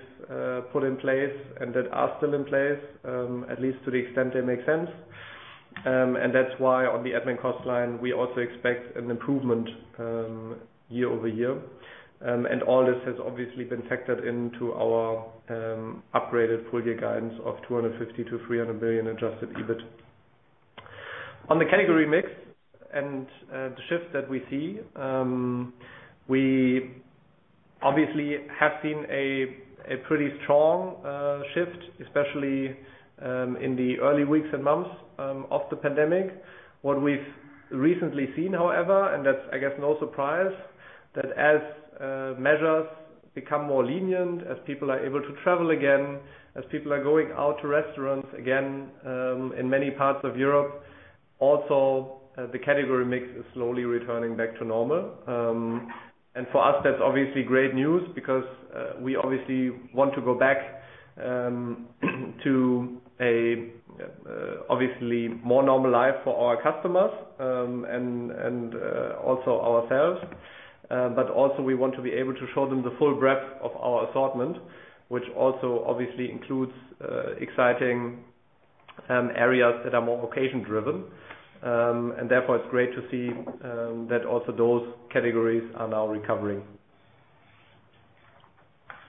put in place and that are still in place, at least to the extent they make sense. That's why on the admin cost line, we also expect an improvement year-over-year. All this has obviously been factored into our upgraded full year guidance of 250 million-300 million adjusted EBIT. On the category mix and the shift that we see, we obviously have seen a pretty strong shift, especially in the early weeks and months of the pandemic. What we've recently seen, however, and that's I guess no surprise, that as measures become more lenient, as people are able to travel again, as people are going out to restaurants again in many parts of Europe, also the category mix is slowly returning back to normal. For us, that's obviously great news because we obviously want to go back to a more normal life for our customers and also ourselves. Also we want to be able to show them the full breadth of our assortment, which also obviously includes exciting areas that are more occasion-driven. Therefore, it's great to see that also those categories are now recovering.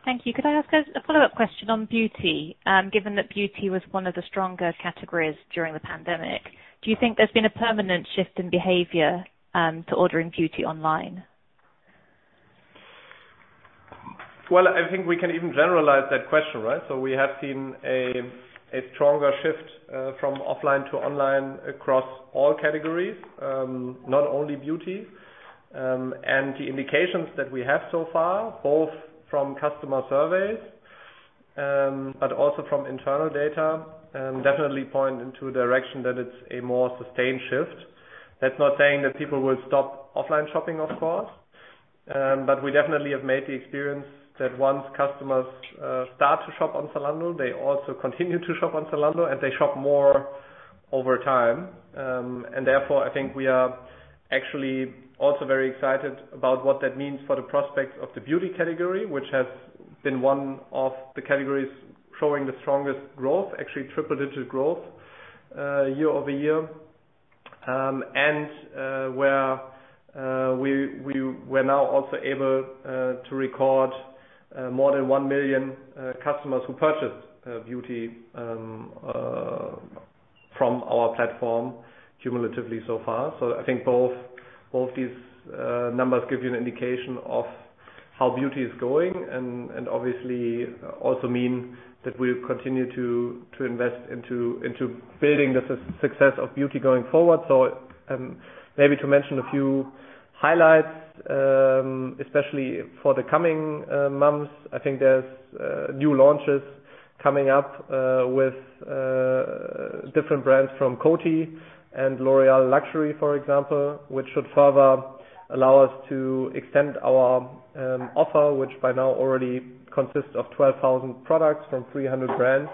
Thank you. Could I ask a follow-up question on beauty? Given that beauty was one of the stronger categories during the pandemic, do you think there's been a permanent shift in behavior to ordering beauty online? Well, I think we can even generalize that question, right? We have seen a stronger shift from offline to online across all categories, not only beauty. The indications that we have so far, both from customer surveys, but also from internal data, definitely point into a direction that it's a more sustained shift. That's not saying that people will stop offline shopping, of course, but we definitely have made the experience that once customers start to shop on Zalando, they also continue to shop on Zalando, and they shop more over time. Therefore, I think we are actually also very excited about what that means for the prospects of the beauty category, which has been one of the categories showing the strongest growth, actually triple-digit growth year-over-year. Where we were now also able to record more than 1 million customers who purchased beauty from our platform cumulatively so far. I think both these numbers give you an indication of how beauty is going and obviously also mean that we'll continue to invest into building the success of beauty going forward. Maybe to mention a few highlights, especially for the coming months, I think there's new launches coming up with different brands from Coty and L'Oréal Luxe, for example, which should further allow us to extend our offer, which by now already consists of 12,000 products from 300 brands.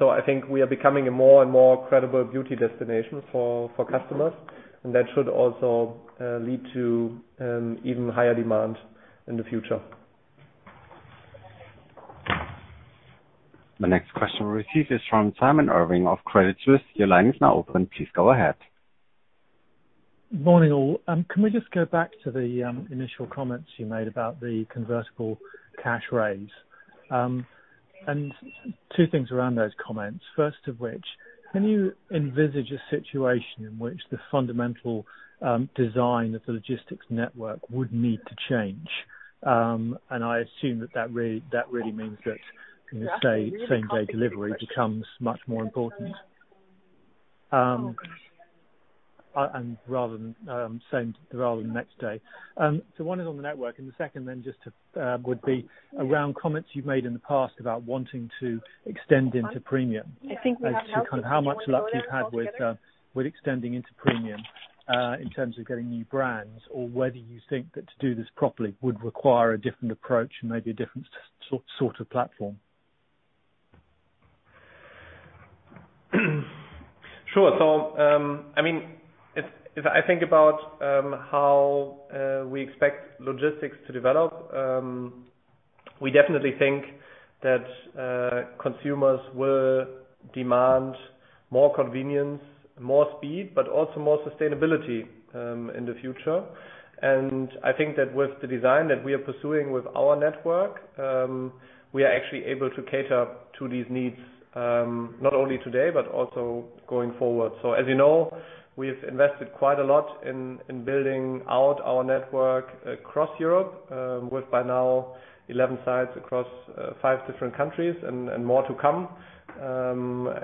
I think we are becoming a more and more credible beauty destination for customers. That should also lead to even higher demand in the future. The next question we'll receive is from Simon Irwin of Credit Suisse. Your line is now open. Please go ahead. Morning, all. Can we just go back to the initial comments you made about the convertible cash raise? Two things around those comments. First of which, can you envisage a situation in which the fundamental design of the logistics network would need to change? I assume that really means that same-day delivery becomes much more important rather than next day. One is on the network and the second then just would be around comments you've made in the past about wanting to extend into premium. How much luck you've had with extending into premium in terms of getting new brands or whether you think that to do this properly would require a different approach and maybe a different sort of platform. Sure. If I think about how we expect logistics to develop, we definitely think that consumers will demand more convenience, more speed, but also more sustainability in the future. I think that with the design that we are pursuing with our network, we are actually able to cater to these needs, not only today but also going forward. As you know, we've invested quite a lot in building out our network across Europe, with by now 11 sites across five different countries and more to come.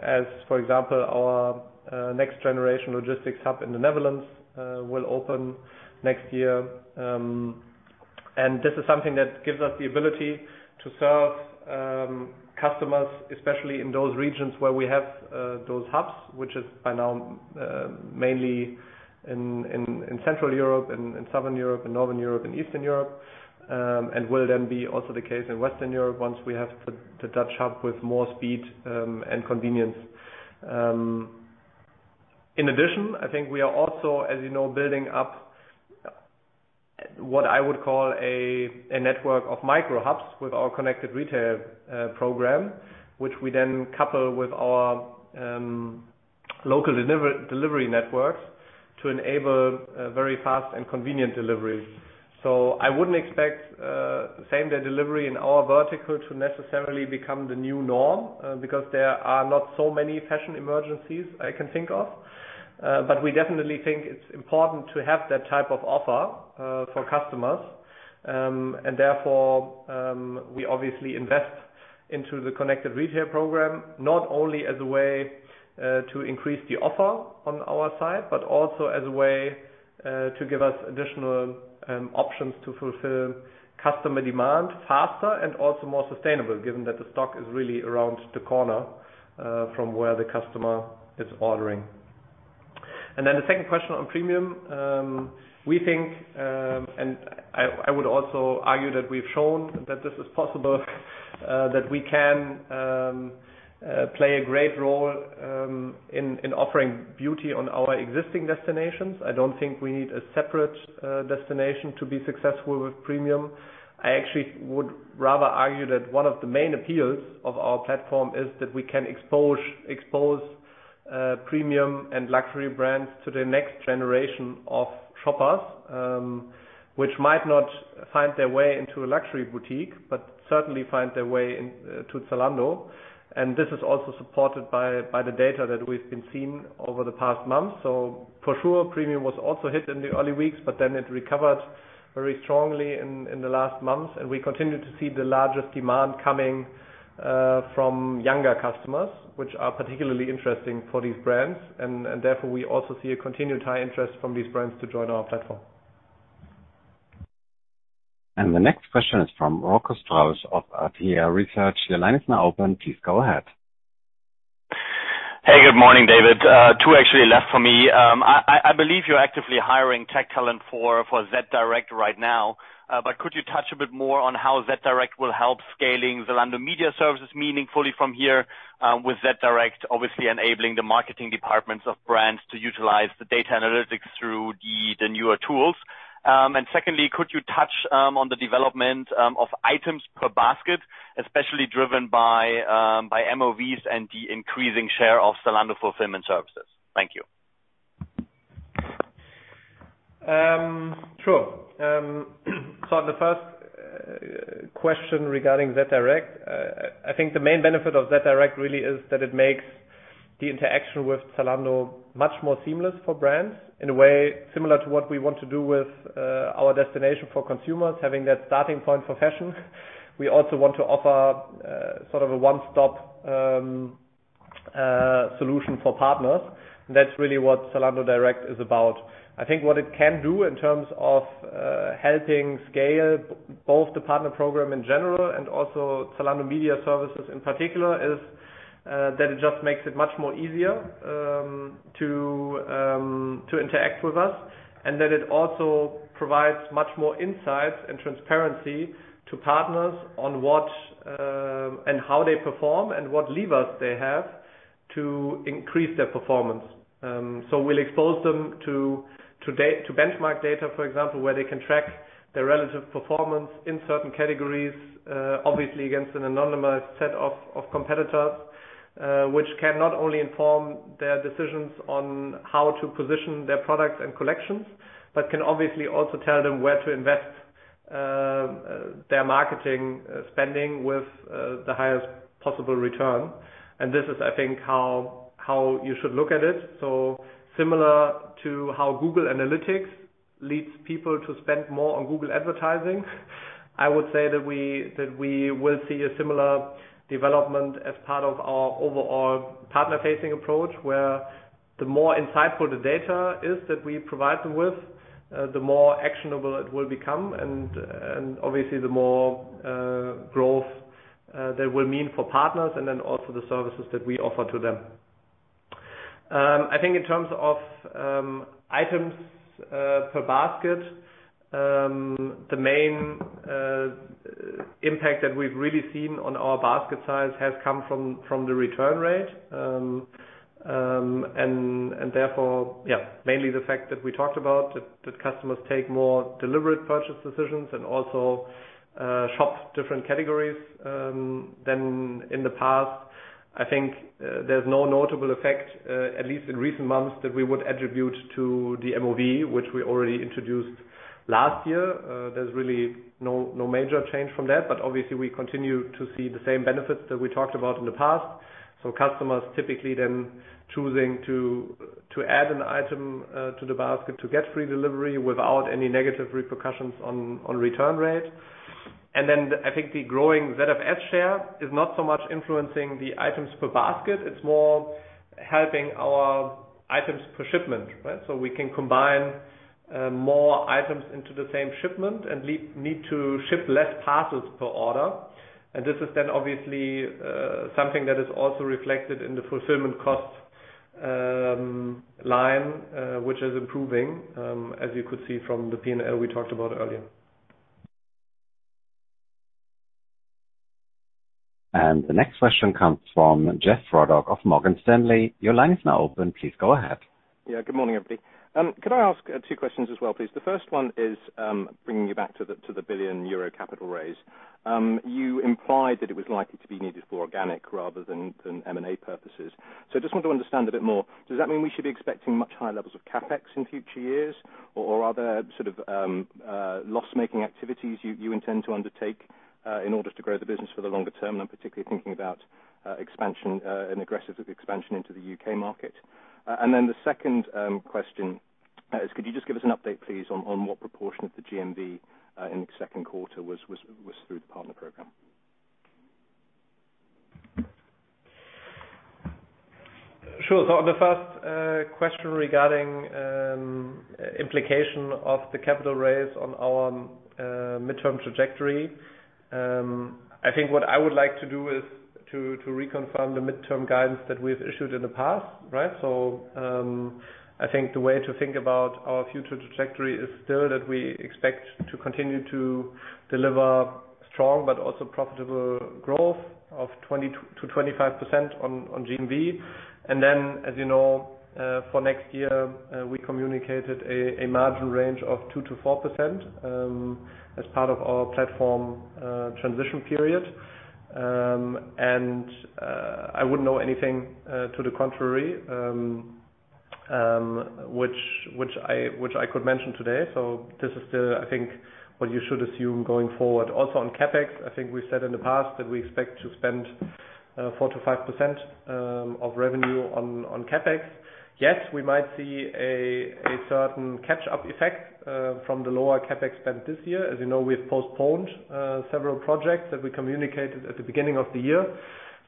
As for example, our next generation logistics hub in the Netherlands will open next year. This is something that gives us the ability to serve customers, especially in those regions where we have those hubs, which is by now mainly in Central Europe and Southern Europe and Northern Europe and Eastern Europe, and will then be also the case in Western Europe once we have the Dutch hub with more speed and convenience. In addition, I think we are also, as you know, building up what I would call a network of micro hubs with our Connected Retail program, which we then couple with our local delivery networks to enable very fast and convenient delivery. I wouldn't expect same-day delivery in our vertical to necessarily become the new norm because there are not so many fashion emergencies I can think of. We definitely think it's important to have that type of offer for customers. Therefore, we obviously invest into the Connected Retail program, not only as a way to increase the offer on our side, but also as a way to give us additional options to fulfill customer demand faster and also more sustainable, given that the stock is really around the corner from where the customer is ordering. Then the second question on premium. We think, and I would also argue that we've shown that this is possible, that we can play a great role in offering beauty on our existing destinations. I don't think we need a separate destination to be successful with premium. I actually would rather argue that one of the main appeals of our platform is that we can expose premium and luxury brands to the next generation of shoppers, which might not find their way into a luxury boutique, but certainly find their way to Zalando. This is also supported by the data that we've been seeing over the past months. For sure, premium was also hit in the early weeks, but then it recovered very strongly in the last months. We continue to see the largest demand coming from younger customers, which are particularly interesting for these brands. Therefore, we also see a continued high interest from these brands to join our platform. The next question is from Rocco Strauss of Arete Research. Your line is now open. Please go ahead. Hey, good morning, David. Two actually left for me. I believe you're actively hiring tech talent for zDirect right now. Could you touch a bit more on how zDirect will help scaling Zalando Marketing Services meaningfully from here, with zDirect, obviously enabling the marketing departments of brands to utilize the data analytics through the newer tools? Secondly, could you touch on the development of items per basket, especially driven by MOVs and the increasing share of Zalando Fulfillment Solutions? Thank you. On the first question regarding zDirect I think the main benefit of zDirect really is that it makes the interaction with Zalando much more seamless for brands in a way similar to what we want to do with our destination for consumers, having that starting point for fashion. We also want to offer sort of a one-stop solution for partners. That's really what Zalando Direct is about. I think what it can do in terms of helping scale both the Partner Program in general and also Zalando Marketing Services in particular, is that it just makes it much more easier to interact with us. That it also provides much more insights and transparency to partners on what and how they perform and what levers they have to increase their performance. We'll expose them to benchmark data, for example, where they can track their relative performance in certain categories, obviously against an anonymized set of competitors, which can not only inform their decisions on how to position their products and collections, but can obviously also tell them where to invest their marketing spending with the highest possible return. This is, I think, how you should look at it. Similar to how Google Analytics leads people to spend more on Google advertising, I would say that we will see a similar development as part of our overall partner-facing approach, where the more insightful the data is that we provide them with, the more actionable it will become and obviously, the more growth that will mean for partners and then also the services that we offer to them. I think in terms of items per basket, the main impact that we've really seen on our basket size has come from the return rate. Therefore, mainly the fact that we talked about that customers take more deliberate purchase decisions and also shop different categories than in the past. I think there's no notable effect, at least in recent months, that we would attribute to the MOV, which we already introduced last year. There's really no major change from that, obviously, we continue to see the same benefits that we talked about in the past. Customers typically then choosing to add an item to the basket to get free delivery without any negative repercussions on return rate. I think the growing ZFS share is not so much influencing the items per basket. It's more helping our items per shipment. We can combine more items into the same shipment and need to ship less parcels per order. This is then obviously something that is also reflected in the fulfillment cost line, which is improving, as you could see from the P&L we talked about earlier. The next question comes from Geoff Ruddell of Morgan Stanley. Your line is now open. Please go ahead. Yeah, good morning, everybody. Could I ask two questions as well, please? The first one is bringing you back to the billion-euro capital raise. You implied that it was likely to be needed for organic rather than M&A purposes. I just want to understand a bit more. Does that mean we should be expecting much higher levels of CapEx in future years? Are there sort of loss-making activities you intend to undertake in order to grow the business for the longer term? I'm particularly thinking about an aggressive expansion into the U.K. market. The second question is, could you just give us an update, please, on what proportion of the GMV in the second quarter was through the Partner Program? Sure. On the first question regarding implication of the capital raise on our midterm trajectory, I think what I would like to do is to reconfirm the midterm guidance that we've issued in the past, right? I think the way to think about our future trajectory is still that we expect to continue to deliver strong but also profitable growth of 20%-25% on GMV. As you know, for next year, we communicated a margin range of 2%-4% as part of our platform transition period. I wouldn't know anything to the contrary which I could mention today. This is still, I think, what you should assume going forward. Also on CapEx, I think we said in the past that we expect to spend 4%-5% of revenue on CapEx. Yes, we might see a certain catch-up effect from the lower CapEx spend this year. As you know, we've postponed several projects that we communicated at the beginning of the year.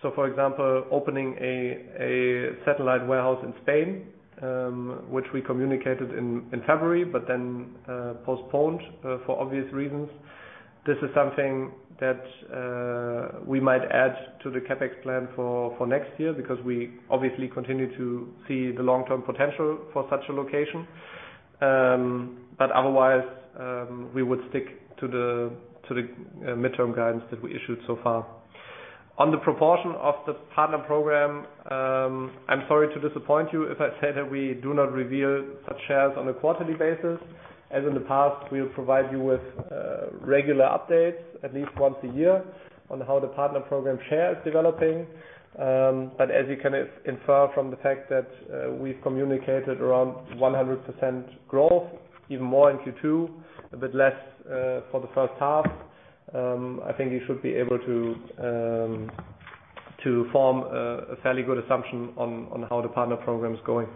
For example, opening a satellite warehouse in Spain, which we communicated in February, but then postponed for obvious reasons. This is something that we might add to the CapEx plan for next year because we obviously continue to see the long-term potential for such a location. Otherwise, we would stick to the midterm guidance that we issued so far. On the proportion of the Partner Program, I'm sorry to disappoint you if I say that we do not reveal such shares on a quarterly basis. As in the past, we'll provide you with regular updates at least once a year on how the Partner Program share is developing. As you can infer from the fact that we've communicated around 100% growth, even more in Q2, a bit less for the first half, I think you should be able to form a fairly good assumption on how the Partner Program is going.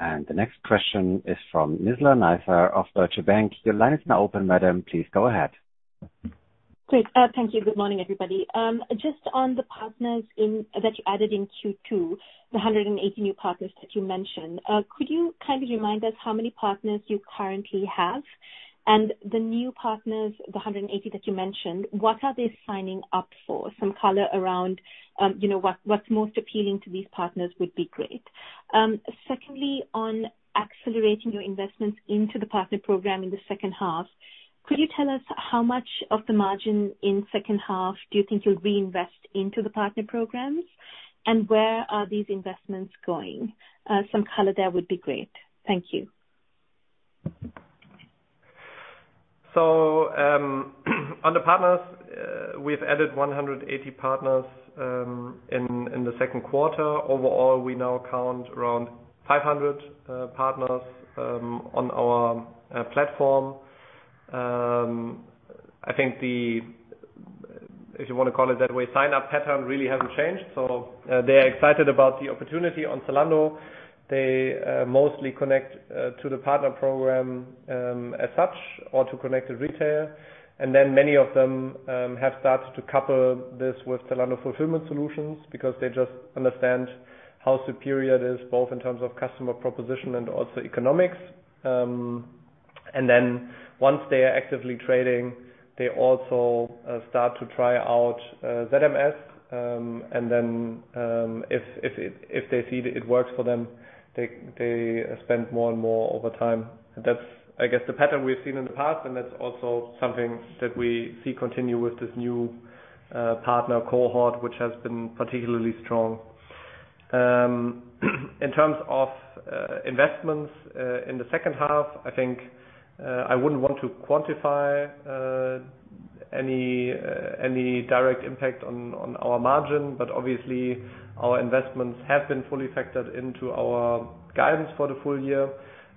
The next question is from Nizla Naizer of Deutsche Bank. Your line is now open, madam. Please go ahead. Great. Thank you. Good morning, everybody. Just on the partners that you added in Q2, the 180 new partners that you mentioned, could you kindly remind us how many partners you currently have? The new partners, the 180 that you mentioned, what are they signing up for? Some color around what's most appealing to these partners would be great. Secondly, on accelerating your investments into the Partner Program in the second half, could you tell us how much of the margin in second half do you think you'll reinvest into the Partner Programs? Where are these investments going? Some color there would be great. Thank you. On the partners, we've added 180 partners in the second quarter. Overall, we now count around 500 partners on our platform. I think the, if you want to call it that way, sign-up pattern really hasn't changed. They are excited about the opportunity on Zalando. They mostly connect to the Partner Program as such, or to Connected Retail. Many of them have started to couple this with Zalando Fulfillment Solutions because they just understand how superior it is, both in terms of customer proposition and also economics. Once they are actively trading, they also start to try out ZMS, and then, if they see it works for them, they spend more and more over time. That's, I guess, the pattern we've seen in the past, and that's also something that we see continue with this new partner cohort, which has been particularly strong. In terms of investments in the second half, I think I wouldn't want to quantify any direct impact on our margin, obviously, our investments have been fully factored into our guidance for the full year.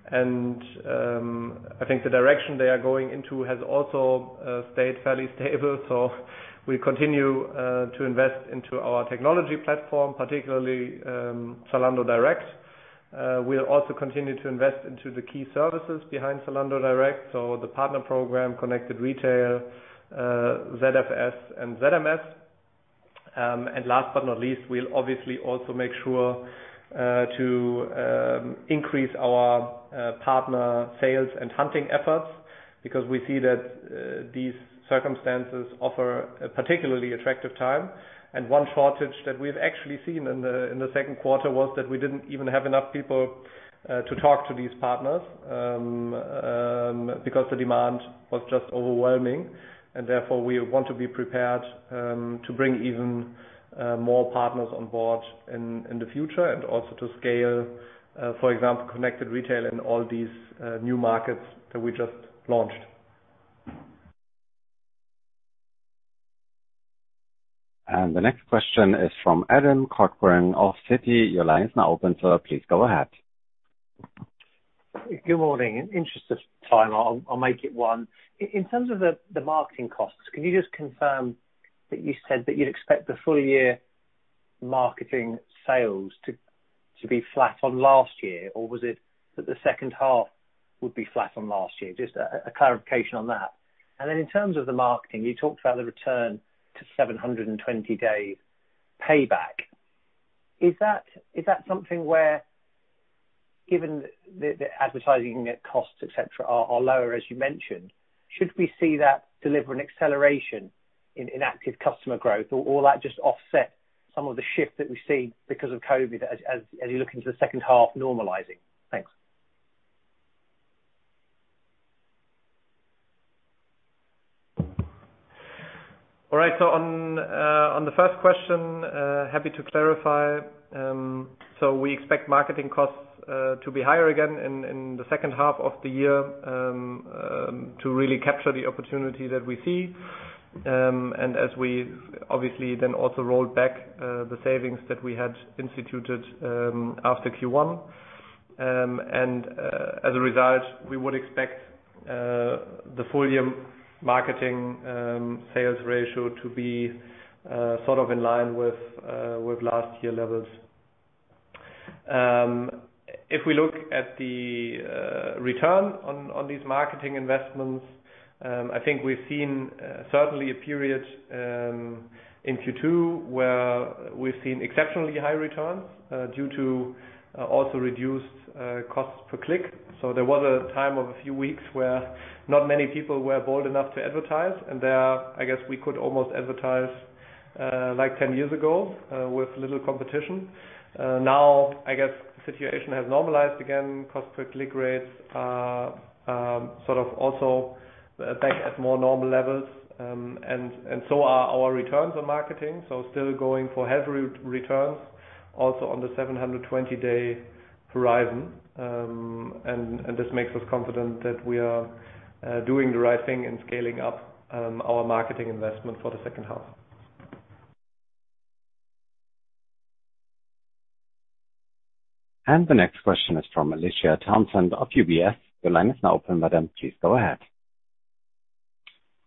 I think the direction they are going into has also stayed fairly stable. We continue to invest into our technology platform, particularly Zalando Direct. We'll also continue to invest into the key services behind Zalando Direct, the Partner Program, Connected Retail, ZFS, and ZMS. Last but not least, we'll obviously also make sure to increase our partner sales and hunting efforts because we see that these circumstances offer a particularly attractive time. One shortage that we've actually seen in the second quarter was that we didn't even have enough people to talk to these partners because the demand was just overwhelming, and therefore, we want to be prepared to bring even more partners on board in the future and also to scale, for example, Connected Retail in all these new markets that we just launched. The next question is from Adam Cochrane of Citi. Your line is now open, sir. Please go ahead. Good morning. In interest of time, I'll make it one. In terms of the marketing costs, can you just confirm that you said that you'd expect the full year marketing sales to be flat on last year? Or was it that the second half would be flat on last year? Just a clarification on that. Then in terms of the marketing, you talked about the return to 720-day payback. Is that something where, given the advertising net costs, et cetera, are lower, as you mentioned, should we see that deliver an acceleration in active customer growth? Or will all that just offset some of the shift that we see because of COVID as you look into the second half normalizing? Thanks. All right. On the first question, happy to clarify. We expect marketing costs to be higher again in the second half of the year to really capture the opportunity that we see, and as we obviously then also rolled back the savings that we had instituted after Q1. As a result, we would expect the full-year marketing sales ratio to be sort of in line with last year levels. If we look at the return on these marketing investments, I think we've seen certainly a period in Q2 where we've seen exceptionally high returns due to also reduced cost per click. There was a time of a few weeks where not many people were bold enough to advertise, and there, I guess we could almost advertise like 10 years ago with little competition. Now, I guess the situation has normalized again, cost per click rates are sort of also back at more normal levels. And so are our returns on marketing. Still going for healthy returns also on the 720-day horizon. This makes us confident that we are doing the right thing in scaling up our marketing investment for the second half. The next question is from Olivia Townsend of UBS. Your line is now open, madam. Please go ahead.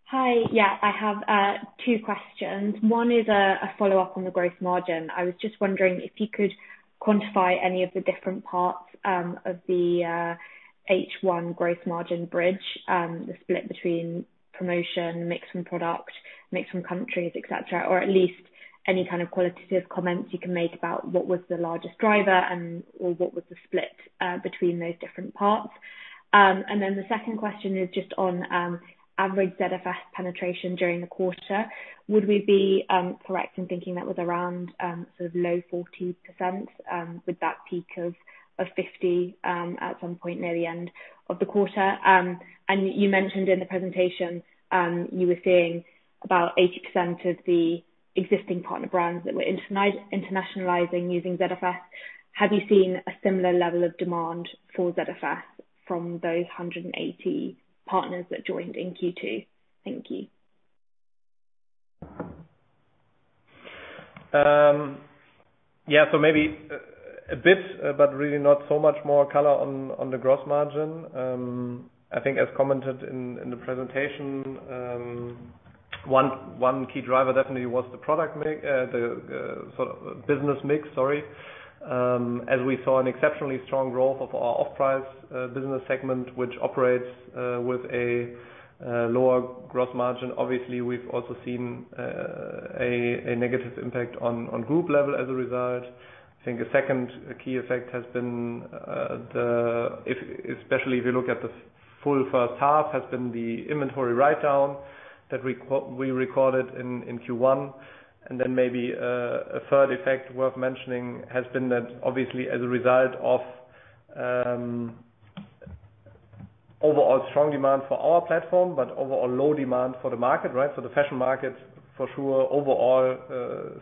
Hi. I have two questions. One is a follow-up on the gross margin. I was just wondering if you could quantify any of the different parts of the H1 gross margin bridge, the split between promotion, mix from product, mix from countries, et cetera, or at least any kind of qualitative comments you can make about what was the largest driver and or what was the split between those different parts. The second question is just on average ZFS penetration during the quarter. Would we be correct in thinking that was around sort of low 40% with that peak of 50% at some point near the end of the quarter? You mentioned in the presentation, you were seeing about 80% of the existing partner brands that were internationalizing using ZFS. Have you seen a similar level of demand for ZFS from those 180 partners that joined in Q2? Thank you. Yeah. Maybe a bit, but really not so much more color on the gross margin. I think as commented in the presentation, one key driver definitely was the business mix, sorry, as we saw an exceptionally strong growth of our off-price business segment, which operates with a lower gross margin. We've also seen a negative impact on group level as a result. I think a second key effect has been, especially if you look at the full first half, has been the inventory write-down that we recorded in Q1. Maybe a third effect worth mentioning has been that obviously as a result of overall strong demand for our platform, but overall low demand for the market, right? The fashion market, for sure, overall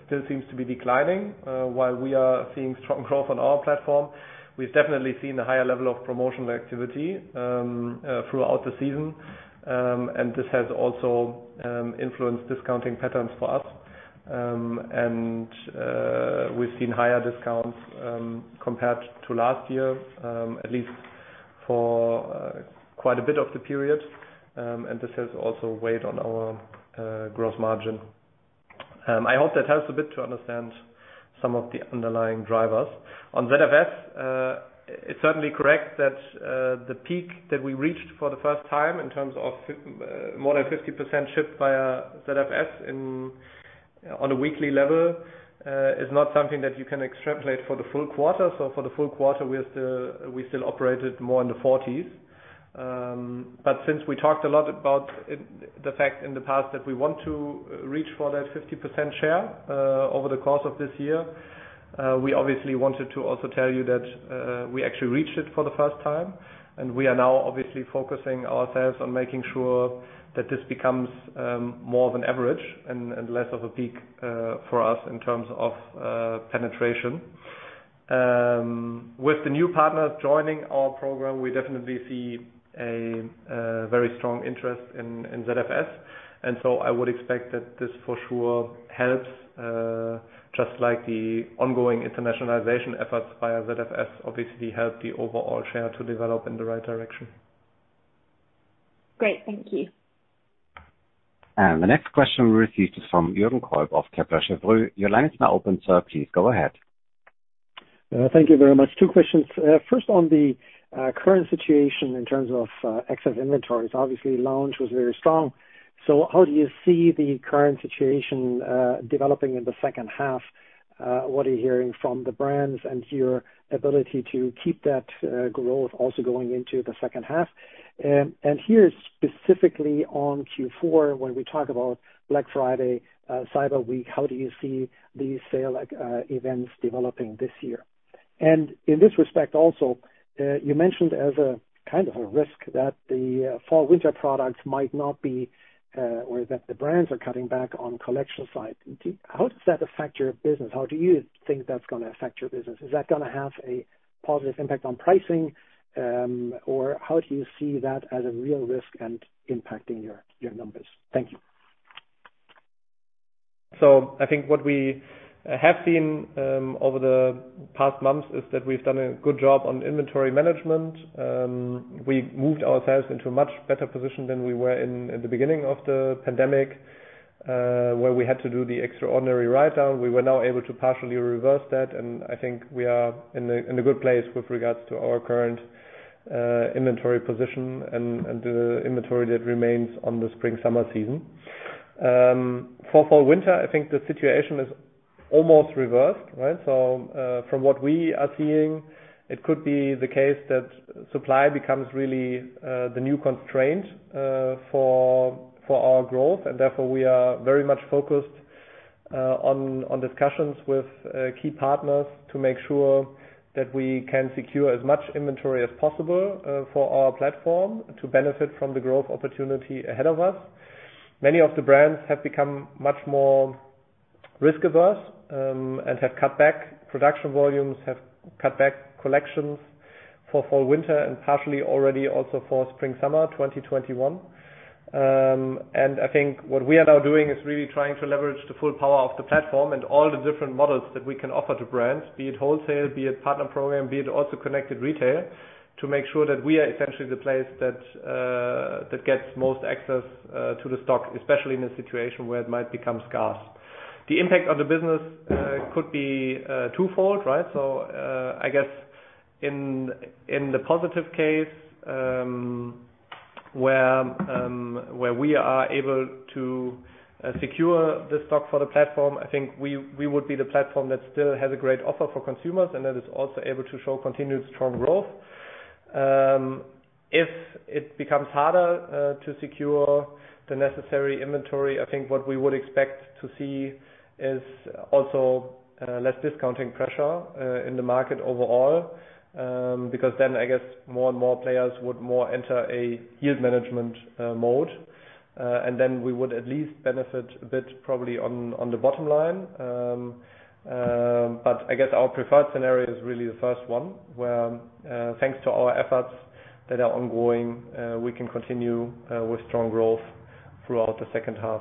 still seems to be declining. While we are seeing strong growth on our platform, we've definitely seen a higher level of promotional activity throughout the season. This has also influenced discounting patterns for us. We've seen higher discounts compared to last year, at least for quite a bit of the period. This has also weighed on our gross margin. I hope that helps a bit to understand some of the underlying drivers. On ZFS, it's certainly correct that the peak that we reached for the first time in terms of more than 50% shipped via ZFS on a weekly level, is not something that you can extrapolate for the full quarter. For the full quarter, we still operated more in the 40s. Since we talked a lot about the fact in the past that we want to reach for that 50% share, over the course of this year, we obviously wanted to also tell you that we actually reached it for the first time, and we are now obviously focusing ourselves on making sure that this becomes more of an average and less of a peak for us in terms of penetration. With the new partners joining our Partner Program, we definitely see a very strong interest in ZFS. I would expect that this for sure helps, just like the ongoing internationalization efforts via ZFS obviously help the overall share to develop in the right direction. Great. Thank you. The next question we received is from Juergen Kolb of Kepler Cheuvreux. Your line is now open, sir. Please go ahead. Thank you very much. Two questions. First, on the current situation in terms of excess inventories, obviously, Lounge was very strong. How do you see the current situation developing in the second half? What are you hearing from the brands and your ability to keep that growth also going into the second half? Here specifically on Q4, when we talk about Black Friday, Cyber Week, how do you see these sale events developing this year? In this respect also, you mentioned as a kind of a risk that the fall/winter products might not be, or that the brands are cutting back on collection side. How does that affect your business? How do you think that's going to affect your business? Is that going to have a positive impact on pricing? How do you see that as a real risk and impacting your numbers? Thank you. I think what we have seen over the past months is that we've done a good job on inventory management. We moved ourselves into a much better position than we were in the beginning of the pandemic. Where we had to do the extraordinary write-down, we were now able to partially reverse that, and I think we are in a good place with regards to our current inventory position and the inventory that remains on the spring/summer season. For fall/winter, I think the situation is almost reversed, right? From what we are seeing, it could be the case that supply becomes really the new constraint for our growth. Therefore, we are very much focused on discussions with key partners to make sure that we can secure as much inventory as possible for our platform to benefit from the growth opportunity ahead of us. Many of the brands have become much more risk-averse and have cut back production volumes, have cut back collections for fall/winter and partially already also for spring/summer 2021. I think what we are now doing is really trying to leverage the full power of the platform and all the different models that we can offer to brands, be it wholesale, be it Partner Program, be it also Connected Retail, to make sure that we are essentially the place that gets most access to the stock, especially in a situation where it might become scarce. The impact on the business could be twofold, right? I guess in the positive case, where we are able to secure the stock for the platform, I think we would be the platform that still has a great offer for consumers and that is also able to show continued strong growth. If it becomes harder to secure the necessary inventory, I think what we would expect to see is also less discounting pressure in the market overall, because then I guess more and more players would more enter a yield management mode. We would at least benefit a bit probably on the bottom line. I guess our preferred scenario is really the first one, where thanks to our efforts that are ongoing, we can continue with strong growth throughout the second half.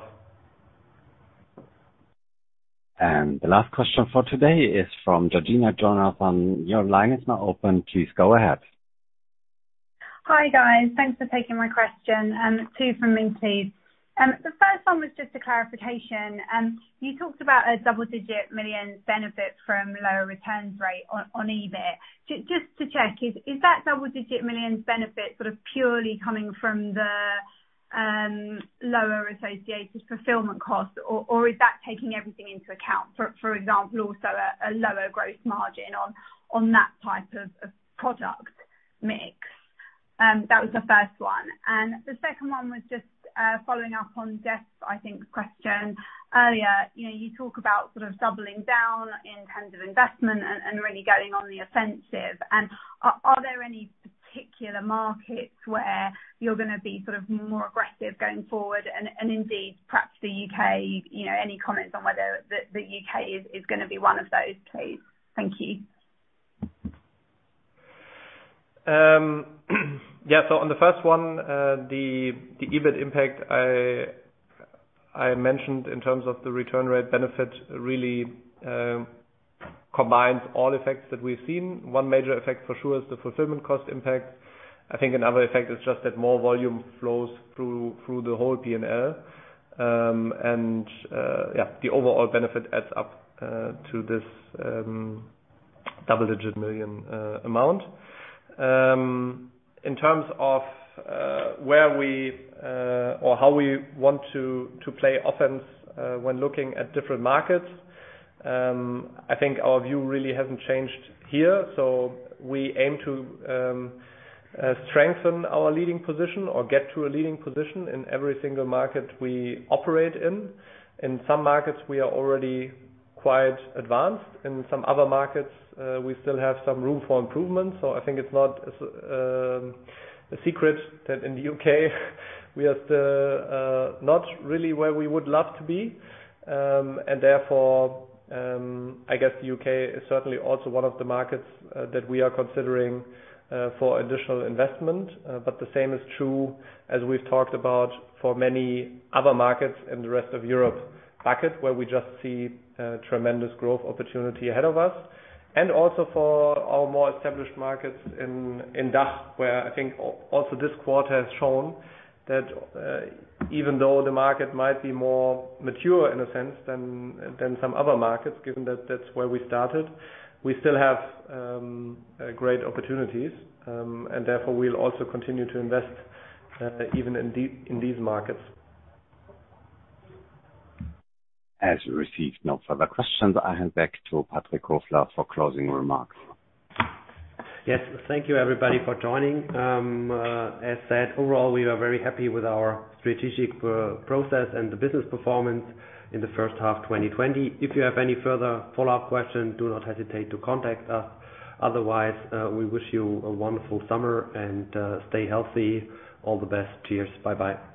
The last question for today is from Georgina Johanan. Your line is now open, please go ahead. Hi, guys. Thanks for taking my question. Two from me, please. The first one was just a clarification. You talked about a double-digit million benefit from lower returns rate on EBIT. Just to check, is that double-digit millions benefit sort of purely coming from the lower associated fulfillment cost, or is that taking everything into account? For example, also a lower gross margin on that type of product mix. That was the first one. The second one was just following up on Geoff's, I think, question earlier. You talk about sort of doubling down in terms of investment and really going on the offensive. Are there any particular markets where you're going to be sort of more aggressive going forward? Indeed, perhaps the U.K., any comments on whether the U.K. is going to be one of those, please? Thank you. On the first one, the EBIT impact I mentioned in terms of the return rate benefit really combines all effects that we've seen. One major effect for sure is the fulfillment cost impact. I think another effect is just that more volume flows through the whole P&L. The overall benefit adds up to this double-digit million amount. In terms of how we want to play offense when looking at different markets, I think our view really hasn't changed here. We aim to strengthen our leading position or get to a leading position in every single market we operate in. In some markets, we are already quite advanced. In some other markets, we still have some room for improvement. I think it's not a secret that in the U.K. we are still not really where we would love to be. Therefore, I guess the U.K. is certainly also one of the markets that we are considering for additional investment. The same is true, as we've talked about, for many other markets in the rest of Europe bucket, where we just see tremendous growth opportunity ahead of us. Also for our more established markets in DACH, where I think also this quarter has shown that even though the market might be more mature in a sense than some other markets, given that that's where we started, we still have great opportunities. Therefore, we'll also continue to invest even in these markets. As we receive no further questions, I hand back to Patrick Kofler for closing remarks. Yes. Thank you, everybody, for joining. As said, overall, we are very happy with our strategic process and the business performance in the first half 2020. If you have any further follow-up questions, do not hesitate to contact us. Otherwise, we wish you a wonderful summer and stay healthy. All the best. Cheers. Bye-bye.